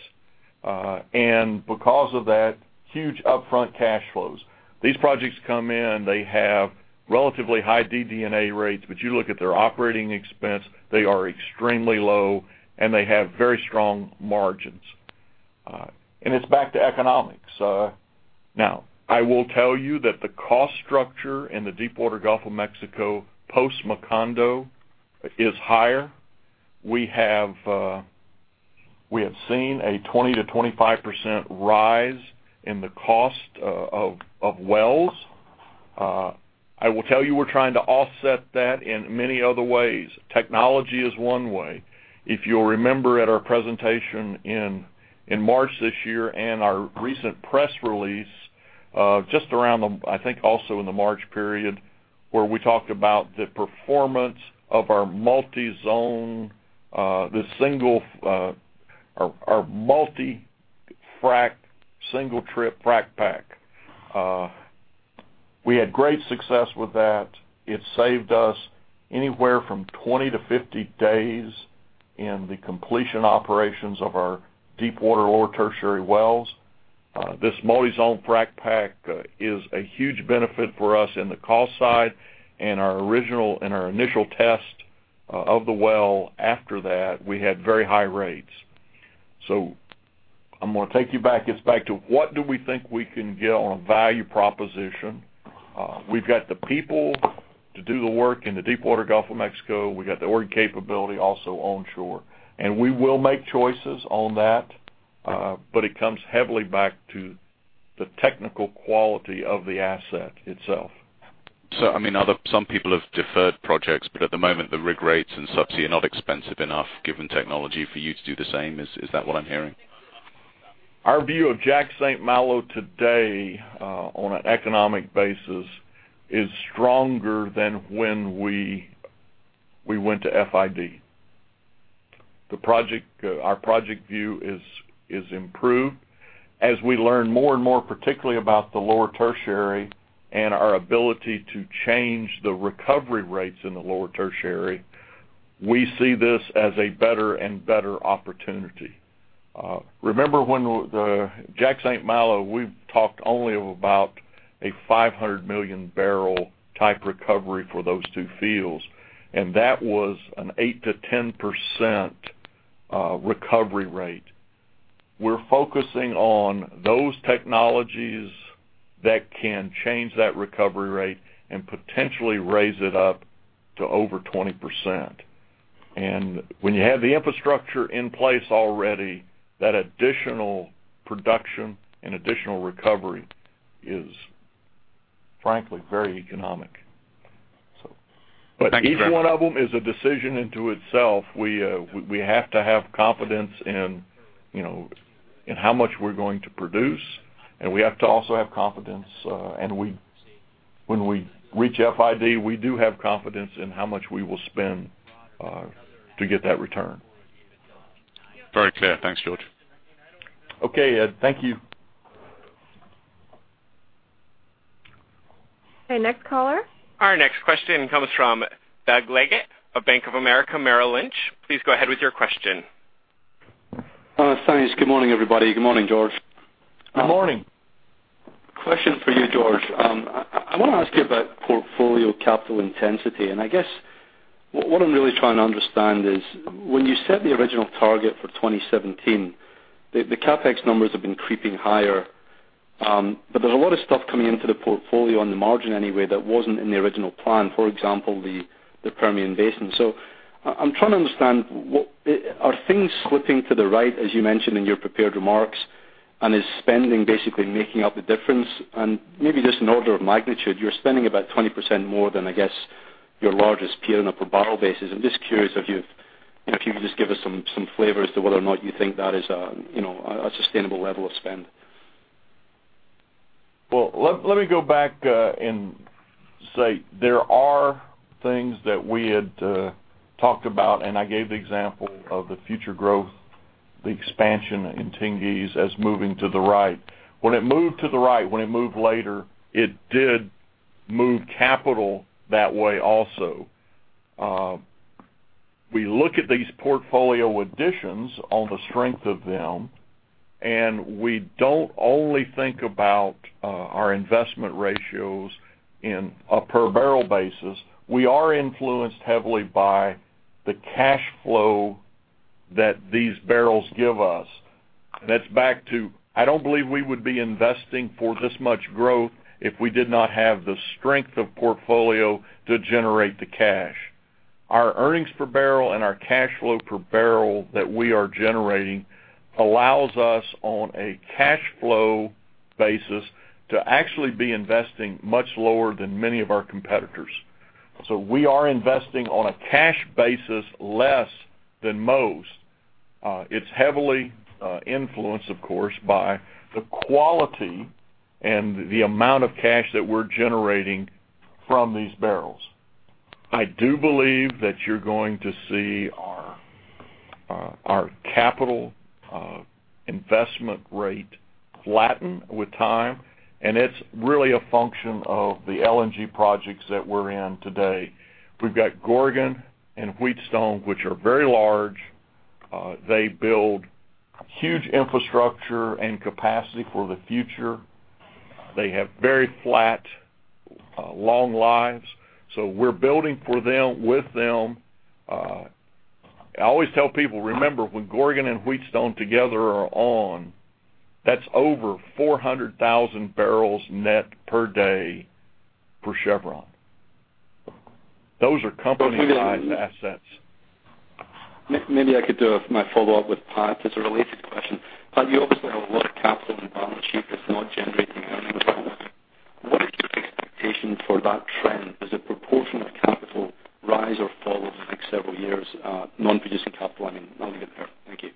and because of that, huge upfront cash flows. These projects come in, they have relatively high DD&A rates, but you look at their operating expense, they are extremely low, and they have very strong margins. It's back to economics. I will tell you that the cost structure in the deepwater Gulf of Mexico, post Macondo, is higher. We have seen a 20%-25% rise in the cost of wells. I will tell you we're trying to offset that in many other ways. Technology is one way. If you'll remember at our presentation in March this year and our recent press release, just around, I think also in the March period, where we talked about the performance of our single-trip multi-zone frac-pack. We had great success with that. It saved us anywhere from 20-50 days in the completion operations of our deepwater Lower Tertiary wells. This multi-zone frac-pack is a huge benefit for us in the cost side and our initial test of the well after that, we had very high rates. I'm going to take you back. It's back to what do we think we can get on a value proposition? We've got the people to do the work in the deepwater Gulf of Mexico. We got the org capability also onshore. We will make choices on that, but it comes heavily back to the technical quality of the asset itself. Some people have deferred projects, but at the moment, the rig rates and subsea are not expensive enough given technology for you to do the same. Is that what I'm hearing? Our view of Jack/St. Malo today, on an economic basis, is stronger than when we went to FID. Our project view is improved. As we learn more and more, particularly about the Lower Tertiary and our ability to change the recovery rates in the Lower Tertiary, we see this as a better and better opportunity. Remember when the Jack/St. Malo, we talked only of about a 500 million barrel type recovery for those two fields, and that was an 8%-10% recovery rate. We're focusing on those technologies that can change that recovery rate and potentially raise it up to over 20%. When you have the infrastructure in place already, that additional production and additional recovery is frankly very economic. Thank you, George. Each one of them is a decision into itself. We have to have confidence in how much we're going to produce, and we have to also have confidence, and when we reach FID, we do have confidence in how much we will spend to get that return. Very clear. Thanks, George. Okay, Ed. Thank you. Okay, next caller. Our next question comes from Douglas Leggate of Bank of America Merrill Lynch. Please go ahead with your question. Thanks. Good morning, everybody. Good morning, George. Good morning. Question for you, George. I want to ask you about portfolio capital intensity, and I guess what I'm really trying to understand is when you set the original target for 2017, the CapEx numbers have been creeping higher, but there's a lot of stuff coming into the portfolio on the margin anyway that wasn't in the original plan, for example, the Permian Basin. I'm trying to understand, are things slipping to the right, as you mentioned in your prepared remarks? Is spending basically making up the difference? Maybe just an order of magnitude, you're spending about 20% more than, I guess, your largest peer on a per barrel basis. I'm just curious if you could just give us some flavor as to whether or not you think that is a sustainable level of spend. Well, let me go back and say there are things that we had talked about. I gave the example of the future growth, the expansion in Tengiz as moving to the right. When it moved to the right, when it moved later, it did move capital that way also. We look at these portfolio additions on the strength of them. We don't only think about our investment ratios in a per barrel basis. We are influenced heavily by the cash flow that these barrels give us. That's back to, I don't believe we would be investing for this much growth if we did not have the strength of portfolio to generate the cash. Our earnings per barrel and our cash flow per barrel that we are generating allows us on a cash flow basis to actually be investing much lower than many of our competitors. We are investing on a cash basis less than most. It's heavily influenced, of course, by the quality and the amount of cash that we're generating from these barrels. I do believe that you're going to see our capital investment rate flatten with time. It's really a function of the LNG projects that we're in today. We've got Gorgon and Wheatstone, which are very large. They build huge infrastructure and capacity for the future. They have very flat long lives. We're building for them, with them. I always tell people, remember, when Gorgon and Wheatstone together are on, that's over 400,000 barrels net per day for Chevron. Those are company-wide assets. Maybe I could do my follow-up with Pat as a related question. Pat, you obviously have a lot of capital on the balance sheet that's not generating earnings at the moment. What is your expectation for that trend? Does the proportion of capital rise or fall over the next several years? Non-producing capital, I mean. Thank you.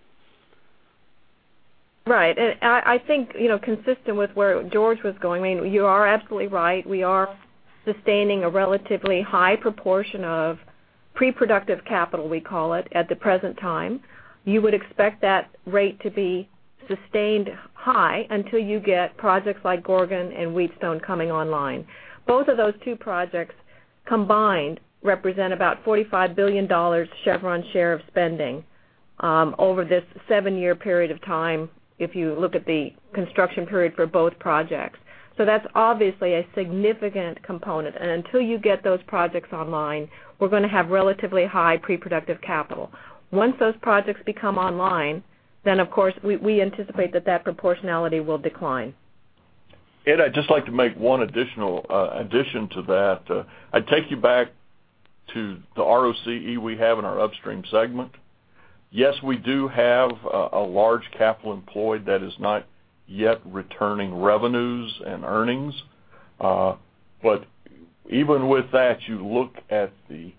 Right. I think consistent with where George was going, you are absolutely right. We are sustaining a relatively high proportion of pre-productive capital, we call it, at the present time. You would expect that rate to be sustained high until you get projects like Gorgon and Wheatstone coming online. Both of those two projects combined represent about $45 billion Chevron share of spending over this seven-year period of time if you look at the construction period for both projects. That's obviously a significant component. Until you get those projects online, we're going to have relatively high pre-productive capital. Once those projects become online, of course, we anticipate that that proportionality will decline. Ed, I'd just like to make one addition to that. I'd take you back to the ROCE we have in our upstream segment. Yes, we do have a large capital employed that is not yet returning revenues and earnings. Even with that, you look at the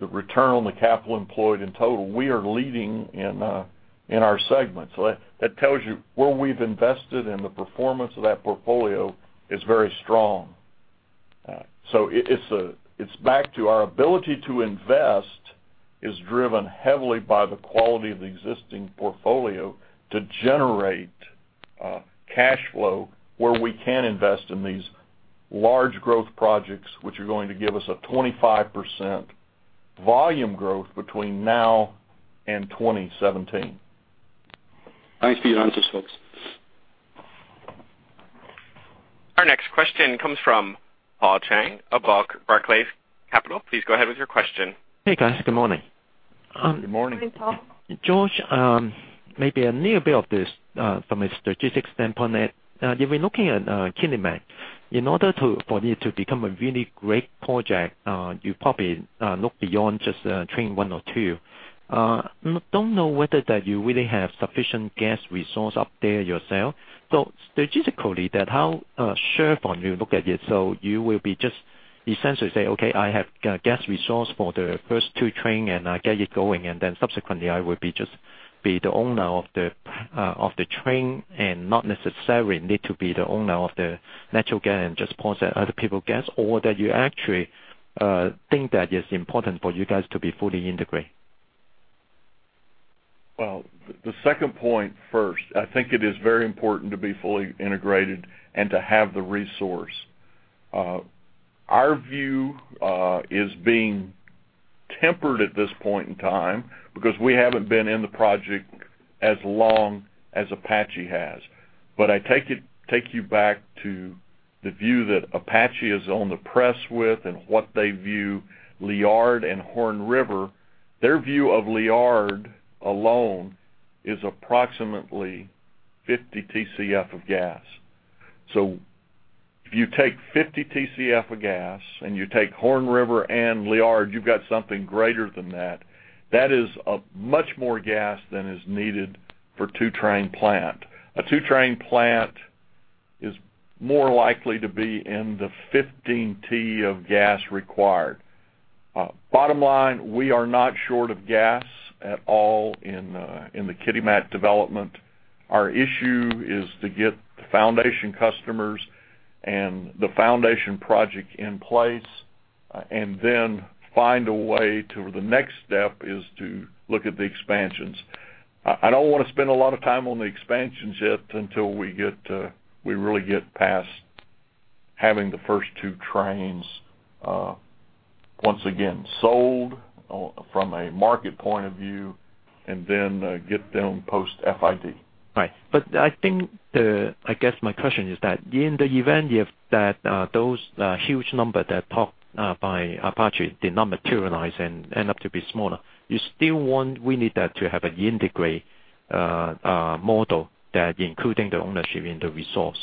return on the capital employed in total, we are leading in our segment. That tells you where we've invested and the performance of that portfolio is very strong. It's back to our ability to invest is driven heavily by the quality of the existing portfolio to generate cash flow where we can invest in these large growth projects, which are going to give us a 25% Volume growth between now and 2017. Thanks for your answers, folks. Our next question comes from Paul Cheng of Barclays Capital. Please go ahead with your question. Hey, guys. Good morning. Good morning. Good morning, Paul. George, maybe a new bit of this from a strategic standpoint. You've been looking at Kitimat. In order for you to become a really great project, you probably look beyond just train one or two. Don't know whether that you really have sufficient gas resource up there yourself. Strategically then, how sure are you? Look at it, so you will be just essentially say, "Okay, I have gas resource for the first two train, and I get it going, and then subsequently I will be just be the owner of the train and not necessary need to be the owner of the natural gas and just point at other people gas," or that you actually think that it's important for you guys to be fully integrated? The second point first. I think it is very important to be fully integrated and to have the resource. Our view is being tempered at this point in time because we haven't been in the project as long as Apache has. I take you back to the view that Apache is on the press with and what they view Liard and Horn River. Their view of Liard alone is approximately 50 Tcf of gas. If you take 50 Tcf of gas and you take Horn River and Liard, you've got something greater than that. That is much more gas than is needed for two-train plant. A two-train plant is more likely to be in the 15 Tcf of gas required. Bottom line, we are not short of gas at all in the Kitimat development. Our issue is to get the foundation customers and the foundation project in place, and then find a way to the next step is to look at the expansions. I don't want to spend a lot of time on the expansions yet until we really get past having the first two trains, once again, sold from a market point of view and then get them post FID. I guess my question is that in the event if those huge number that talked by Apache did not materialize and end up to be smaller, we need that to have an integrated model that including the ownership and the resource?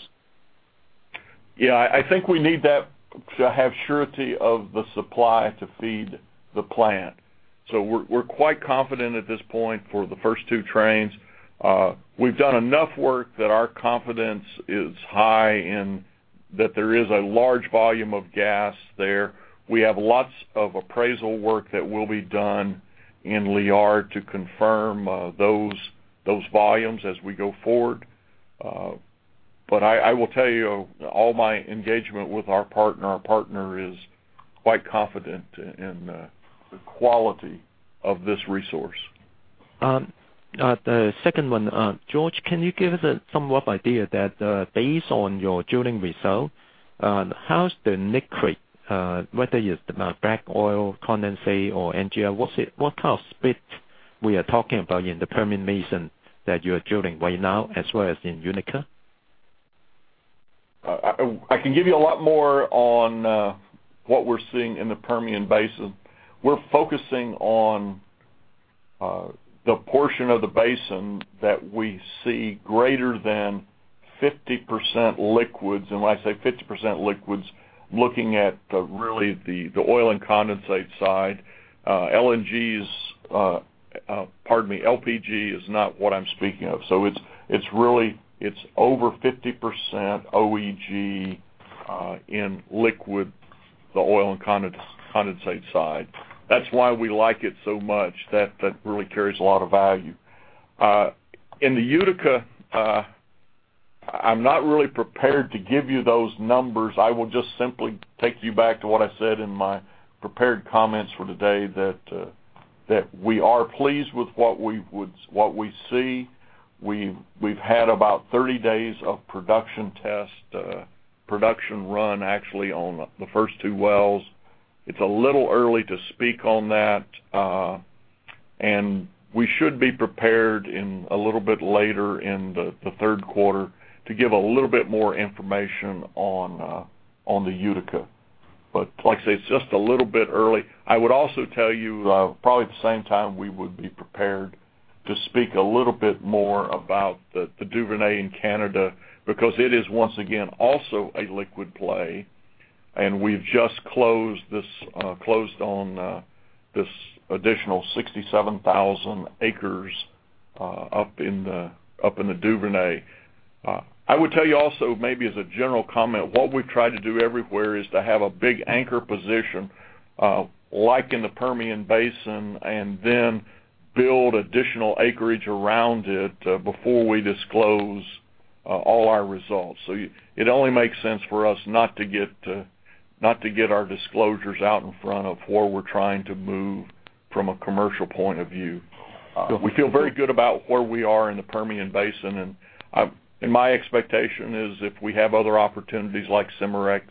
Yeah, I think we need that to have surety of the supply to feed the plant. We're quite confident at this point for the first two trains. We've done enough work that our confidence is high and that there is a large volume of gas there. We have lots of appraisal work that will be done in Liard to confirm those volumes as we go forward. I will tell you, all my engagement with our partner, our partner is quite confident in the quality of this resource. The second one. George, can you give us some rough idea that based on your drilling result, how's the net rate? Whether it's the black oil, condensate, or NGL, what kind of split we are talking about in the Permian Basin that you are drilling right now, as well as in Utica? I can give you a lot more on what we're seeing in the Permian Basin. We're focusing on the portion of the basin that we see greater than 50% liquids. When I say 50% liquids, looking at really the oil and condensate side. Pardon me, LPG is not what I'm speaking of. It's over 50% BOE in liquid, the oil and condensate side. That's why we like it so much. That really carries a lot of value. In the Utica, I'm not really prepared to give you those numbers. I will just simply take you back to what I said in my prepared comments for today that we are pleased with what we see. We've had about 30 days of production test, production run, actually, on the first two wells. It's a little early to speak on that. We should be prepared in a little bit later in the third quarter to give a little bit more information on the Utica. Like I say, it's just a little bit early. I would also tell you, probably at the same time, we would be prepared to speak a little bit more about the Duvernay in Canada, because it is, once again, also a liquid play, and we've just closed on this additional 67,000 acres up in the Duvernay. I would tell you also, maybe as a general comment, what we've tried to do everywhere is to have a big anchor position, like in the Permian Basin, and then build additional acreage around it before we disclose all our results. It only makes sense for us not to get our disclosures out in front of where we're trying to move from a commercial point of view. We feel very good about where we are in the Permian Basin, and my expectation is if we have other opportunities like Cimarex,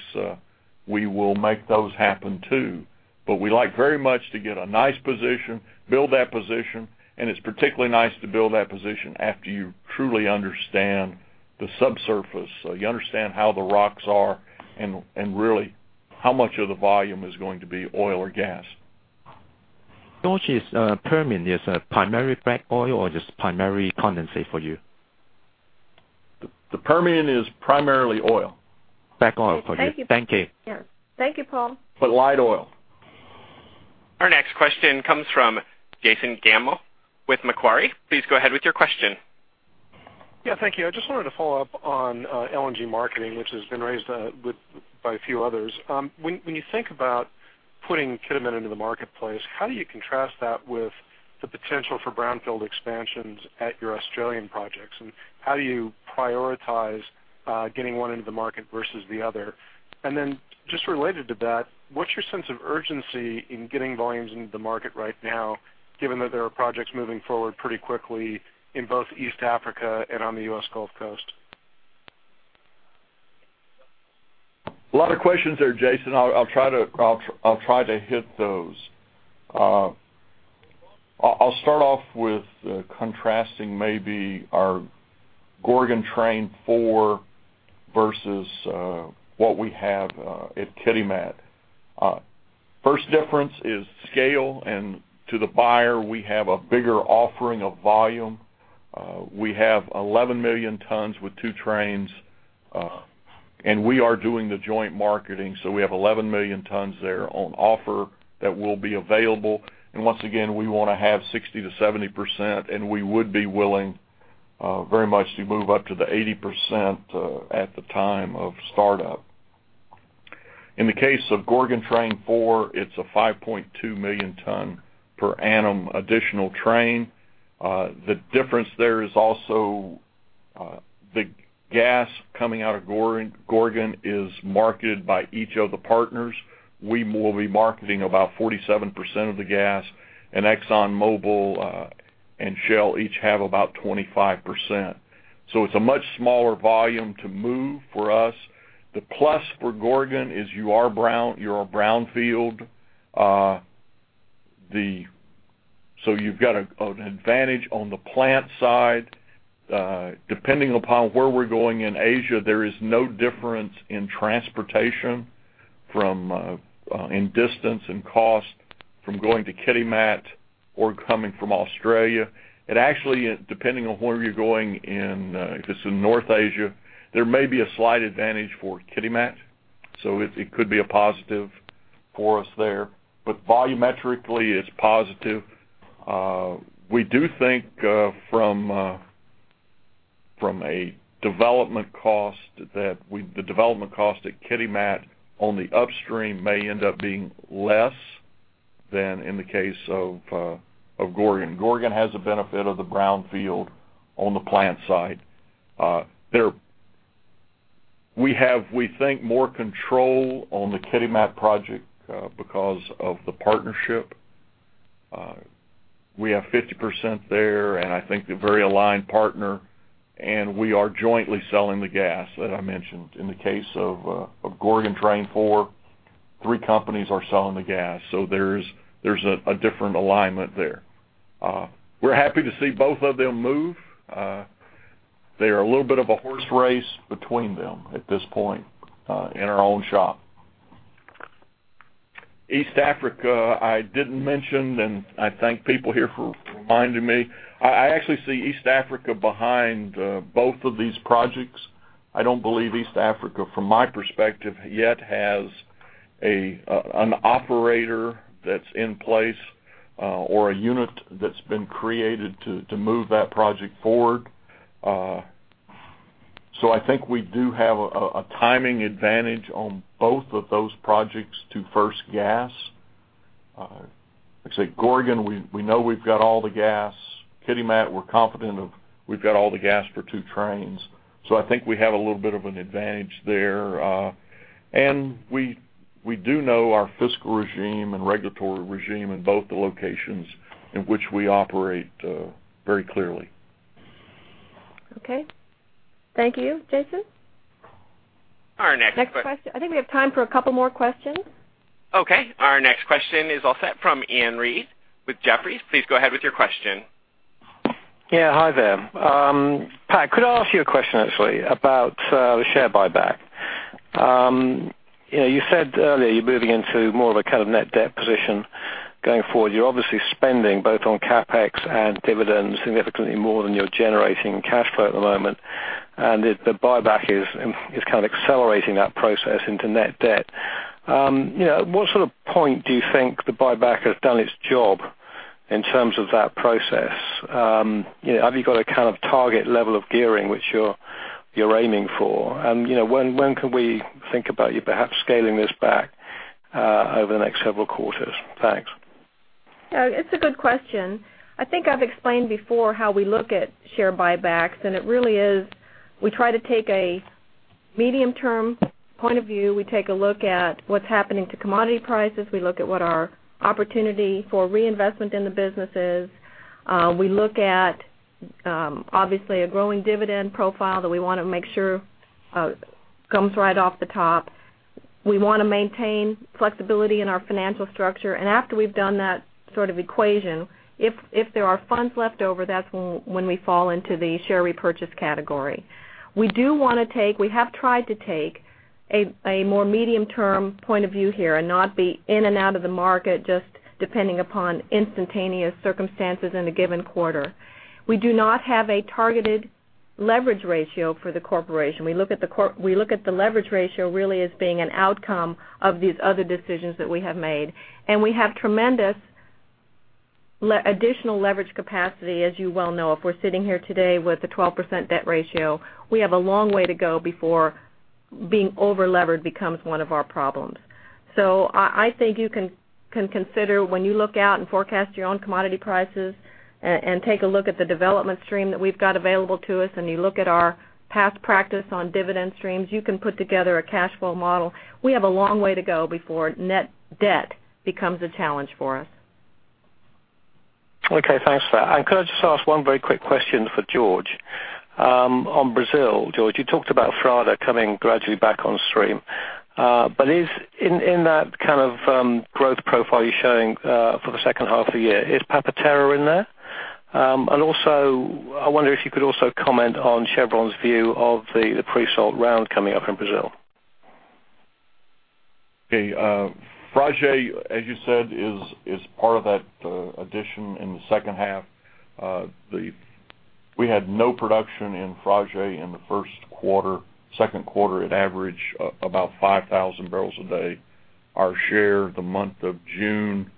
we will make those happen too. We like very much to get a nice position, build that position, and it's particularly nice to build that position after you truly understand the subsurface. You understand how the rocks are and really how much of the volume is going to be oil or gas. George, is Permian a primarily black oil or just primarily condensate for you? The Permian is primarily oil. Black oil for you. Thank you. Thank you. Yes. Thank you, Paul. light oil. Our next question comes from Jason Gammel with Macquarie. Please go ahead with your question. Yeah, thank you. I just wanted to follow up on LNG marketing, which has been raised by a few others. When you think about putting Kitimat into the marketplace, how do you contrast that with the potential for brownfield expansions at your Australian projects, and how do you prioritize getting one into the market versus the other? Then just related to that, what's your sense of urgency in getting volumes into the market right now, given that there are projects moving forward pretty quickly in both East Africa and on the U.S. Gulf Coast? A lot of questions there, Jason. I'll try to hit those. I'll start off with contrasting maybe our Gorgon Train 4 versus what we have at Kitimat. First difference is scale, to the buyer, we have a bigger offering of volume. We have 11 million tons with two trains. We are doing the joint marketing, so we have 11 million tons there on offer that will be available. Once again, we want to have 60%-70%, and we would be willing very much to move up to the 80% at the time of startup. In the case of Gorgon Train 4, it's a 5.2 million ton per annum additional train. The difference there is also the gas coming out of Gorgon is marketed by each of the partners. We will be marketing about 47% of the gas, and ExxonMobil and Shell each have about 25%. It's a much smaller volume to move for us. The plus for Gorgon is you are brownfield. You've got an advantage on the plant side. Depending upon where we're going in Asia, there is no difference in transportation in distance and cost from going to Kitimat or coming from Australia. Actually, depending on where you're going in, if it's in North Asia, there may be a slight advantage for Kitimat, so it could be a positive for us there. Volumetrically, it's positive. We do think from a development cost the development cost at Kitimat on the upstream may end up being less than in the case of Gorgon. Gorgon has a benefit of the brownfield on the plant side. We have, we think, more control on the Kitimat project because of the partnership. We have 50% there, I think a very aligned partner, and we are jointly selling the gas that I mentioned. In the case of Gorgon Train 4, three companies are selling the gas, so there's a different alignment there. We're happy to see both of them move. They are a little bit of a horse race between them at this point in our own shop. East Africa, I didn't mention, I thank people here for reminding me. I actually see East Africa behind both of these projects. I don't believe East Africa, from my perspective, yet has an operator that's in place or a unit that's been created to move that project forward. I think we do have a timing advantage on both of those projects to first gas. Like I say, Gorgon, we know we've got all the gas. Kitimat, we're confident we've got all the gas for two trains. I think we have a little bit of an advantage there. We do know our fiscal regime and regulatory regime in both the locations in which we operate very clearly. Okay. Thank you, Jason. Our next. Next question. I think we have time for a couple more questions. Okay, our next question is all set from Ian Reid with Jefferies. Please go ahead with your question. Yeah. Hi there. Pat, could I ask you a question actually about the share buyback? You said earlier you're moving into more of a kind of net debt position going forward. You're obviously spending both on CapEx and dividends significantly more than you're generating in cash flow at the moment, the buyback is kind of accelerating that process into net debt. At what sort of point do you think the buyback has done its job in terms of that process? Have you got a kind of target level of gearing which you're aiming for? When can we think about you perhaps scaling this back over the next several quarters? Thanks. It's a good question. I think I've explained before how we look at share buybacks, it really is we try to take a medium term point of view, we take a look at what's happening to commodity prices. We look at what our opportunity for reinvestment in the business is. We look at, obviously, a growing dividend profile that we want to make sure comes right off the top. We want to maintain flexibility in our financial structure. After we've done that sort of equation, if there are funds left over, that's when we fall into the share repurchase category. We have tried to take a more medium term point of view here and not be in and out of the market, just depending upon instantaneous circumstances in a given quarter. We do not have a targeted leverage ratio for the corporation. We look at the leverage ratio really as being an outcome of these other decisions that we have made. We have tremendous additional leverage capacity, as you well know. If we're sitting here today with a 12% debt ratio, we have a long way to go before being over-levered becomes one of our problems. I think you can consider when you look out and forecast your own commodity prices and take a look at the development stream that we've got available to us, and you look at our past practice on dividend streams, you can put together a cash flow model. We have a long way to go before net debt becomes a challenge for us. Okay. Thanks for that. Could I just ask one very quick question for George on Brazil? George, you talked about Frade coming gradually back on stream, but in that kind of growth profile you're showing for the second half of the year, is Papa-Terra in there? I wonder if you could also comment on Chevron's view of the pre-salt round coming up in Brazil. Okay. Frade, as you said, is part of that addition in the second half. We had no production in Frade in the first quarter. Second quarter, it averaged about 5,000 barrels a day, our share. The month of June,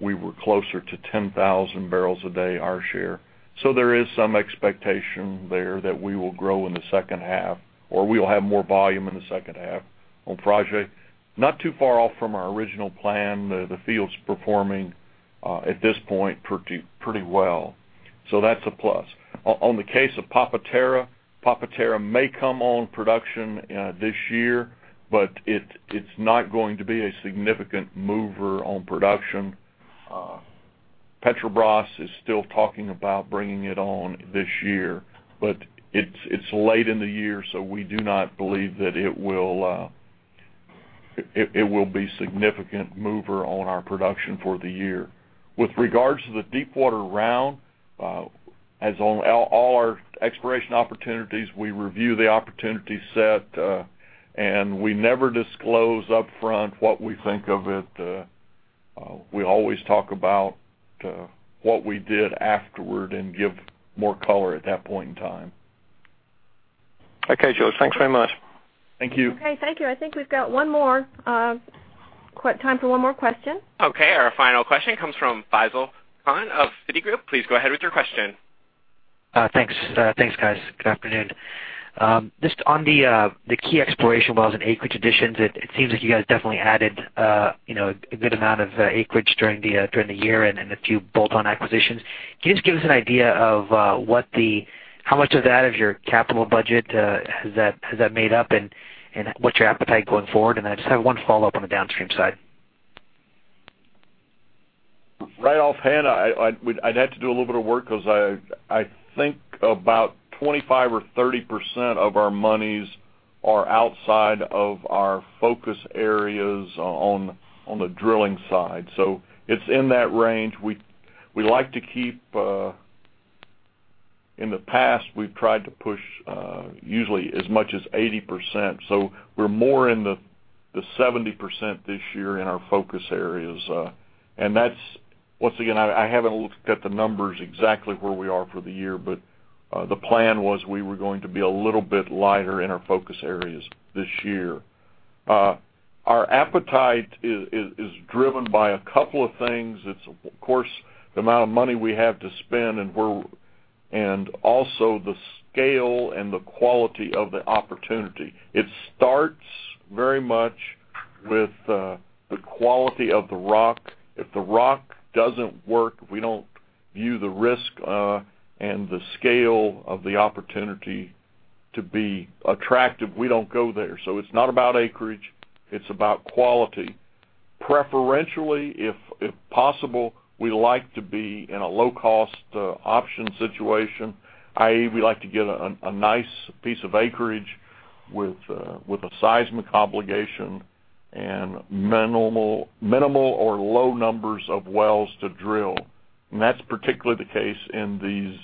we were closer to 10,000 barrels a day, our share. There is some expectation there that we will grow in the second half, or we'll have more volume in the second half on Frade. Not too far off from our original plan. The field's performing at this point pretty well, so that's a plus. On the case of Papa-Terra, Papa-Terra may come on production this year, but it's not going to be a significant mover on production. Petrobras is still talking about bringing it on this year, but it's late in the year, so we do not believe that it will be significant mover on our production for the year. With regards to the deepwater round, as on all our exploration opportunities, we review the opportunity set, and we never disclose upfront what we think of it. We always talk about what we did afterward and give more color at that point in time. Okay, George. Thanks very much. Thank you. Okay, thank you. I think we've got time for one more question. Okay. Our final question comes from Faisal Khan of Citigroup. Please go ahead with your question. Thanks, guys. Good afternoon. Just on the key exploration wells and acreage additions, it seems like you guys definitely added a good amount of acreage during the year and a few bolt-on acquisitions. Can you just give us an idea of how much of that is your capital budget has that made up, and what's your appetite going forward? I just have one follow-up on the downstream side. Right offhand, I'd have to do a little bit of work because I think about 25% or 30% of our monies are outside of our focus areas on the drilling side. It's in that range. In the past, we've tried to push usually as much as 80%. We're more in the 70% this year in our focus areas. Once again, I haven't looked at the numbers exactly where we are for the year, but the plan was we were going to be a little bit lighter in our focus areas this year. Our appetite is driven by a couple of things. It's of course, the amount of money we have to spend and also the scale and the quality of the opportunity. It starts very much with the quality of the rock. If the rock doesn't work, we don't view the risk and the scale of the opportunity to be attractive, we don't go there. It's not about acreage, it's about quality. Preferentially, if possible, we like to be in a low-cost option situation, i.e., we like to get a nice piece of acreage with a seismic obligation and minimal or low numbers of wells to drill. That's particularly the case in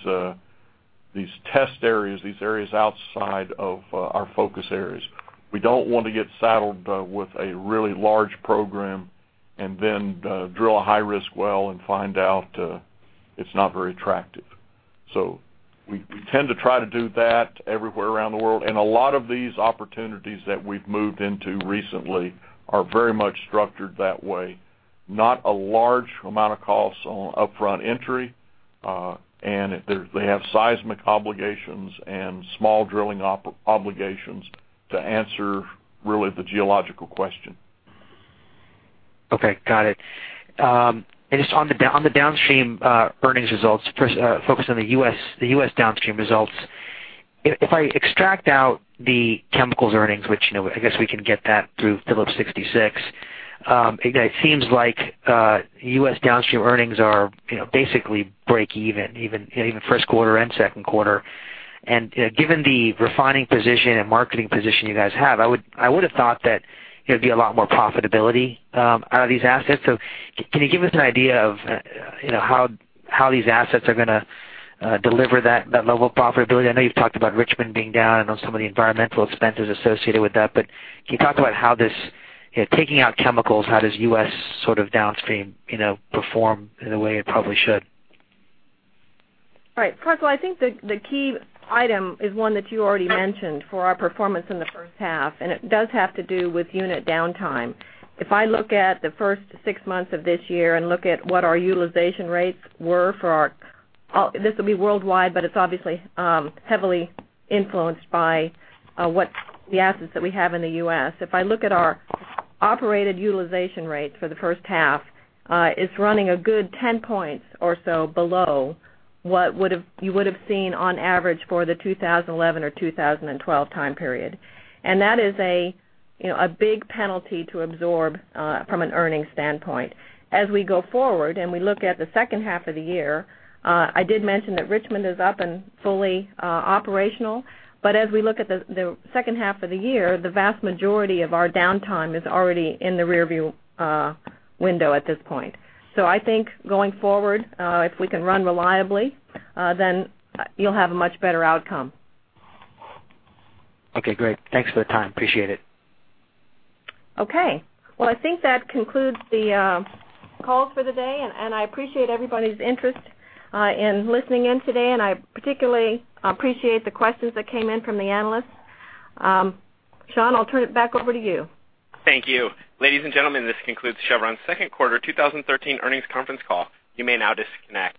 these test areas, these areas outside of our focus areas. We don't want to get saddled with a really large program and then drill a high-risk well and find out it's not very attractive. We tend to try to do that everywhere around the world. A lot of these opportunities that we've moved into recently are very much structured that way. Not a large amount of costs on upfront entry. They have seismic obligations and small drilling obligations to answer really the geological question. Okay, got it. Just on the downstream earnings results, first focus on the U.S. downstream results. If I extract out the chemicals earnings, which I guess we can get that through Phillips 66, it seems like U.S. downstream earnings are basically break-even, even first quarter and second quarter. Given the refining position and marketing position you guys have, I would've thought that there'd be a lot more profitability out of these assets. Can you give us an idea of how these assets are going to deliver that level of profitability? I know you've talked about Richmond being down. I know some of the environmental expenses associated with that, but can you talk about how this, taking out chemicals, how does U.S. downstream perform in the way it probably should? All right. Faisal, I think the key item is one that you already mentioned for our performance in the first half, and it does have to do with unit downtime. If I look at the first six months of this year and look at what our utilization rates were for our-- this will be worldwide, but it's obviously heavily influenced by the assets that we have in the U.S. If I look at our operated utilization rates for the first half, it's running a good 10 points or so below what you would've seen on average for the 2011 or 2012 time period. That is a big penalty to absorb from an earnings standpoint. As we go forward and we look at the second half of the year, I did mention that Richmond is up and fully operational, but as we look at the second half of the year, the vast majority of our downtime is already in the rear view window at this point. I think going forward, if we can run reliably, then you'll have a much better outcome. Okay, great. Thanks for the time. Appreciate it. Okay. Well, I think that concludes the call for the day. I appreciate everybody's interest in listening in today. I particularly appreciate the questions that came in from the analysts. Sean, I'll turn it back over to you. Thank you. Ladies and gentlemen, this concludes Chevron's second quarter 2013 earnings conference call. You may now disconnect.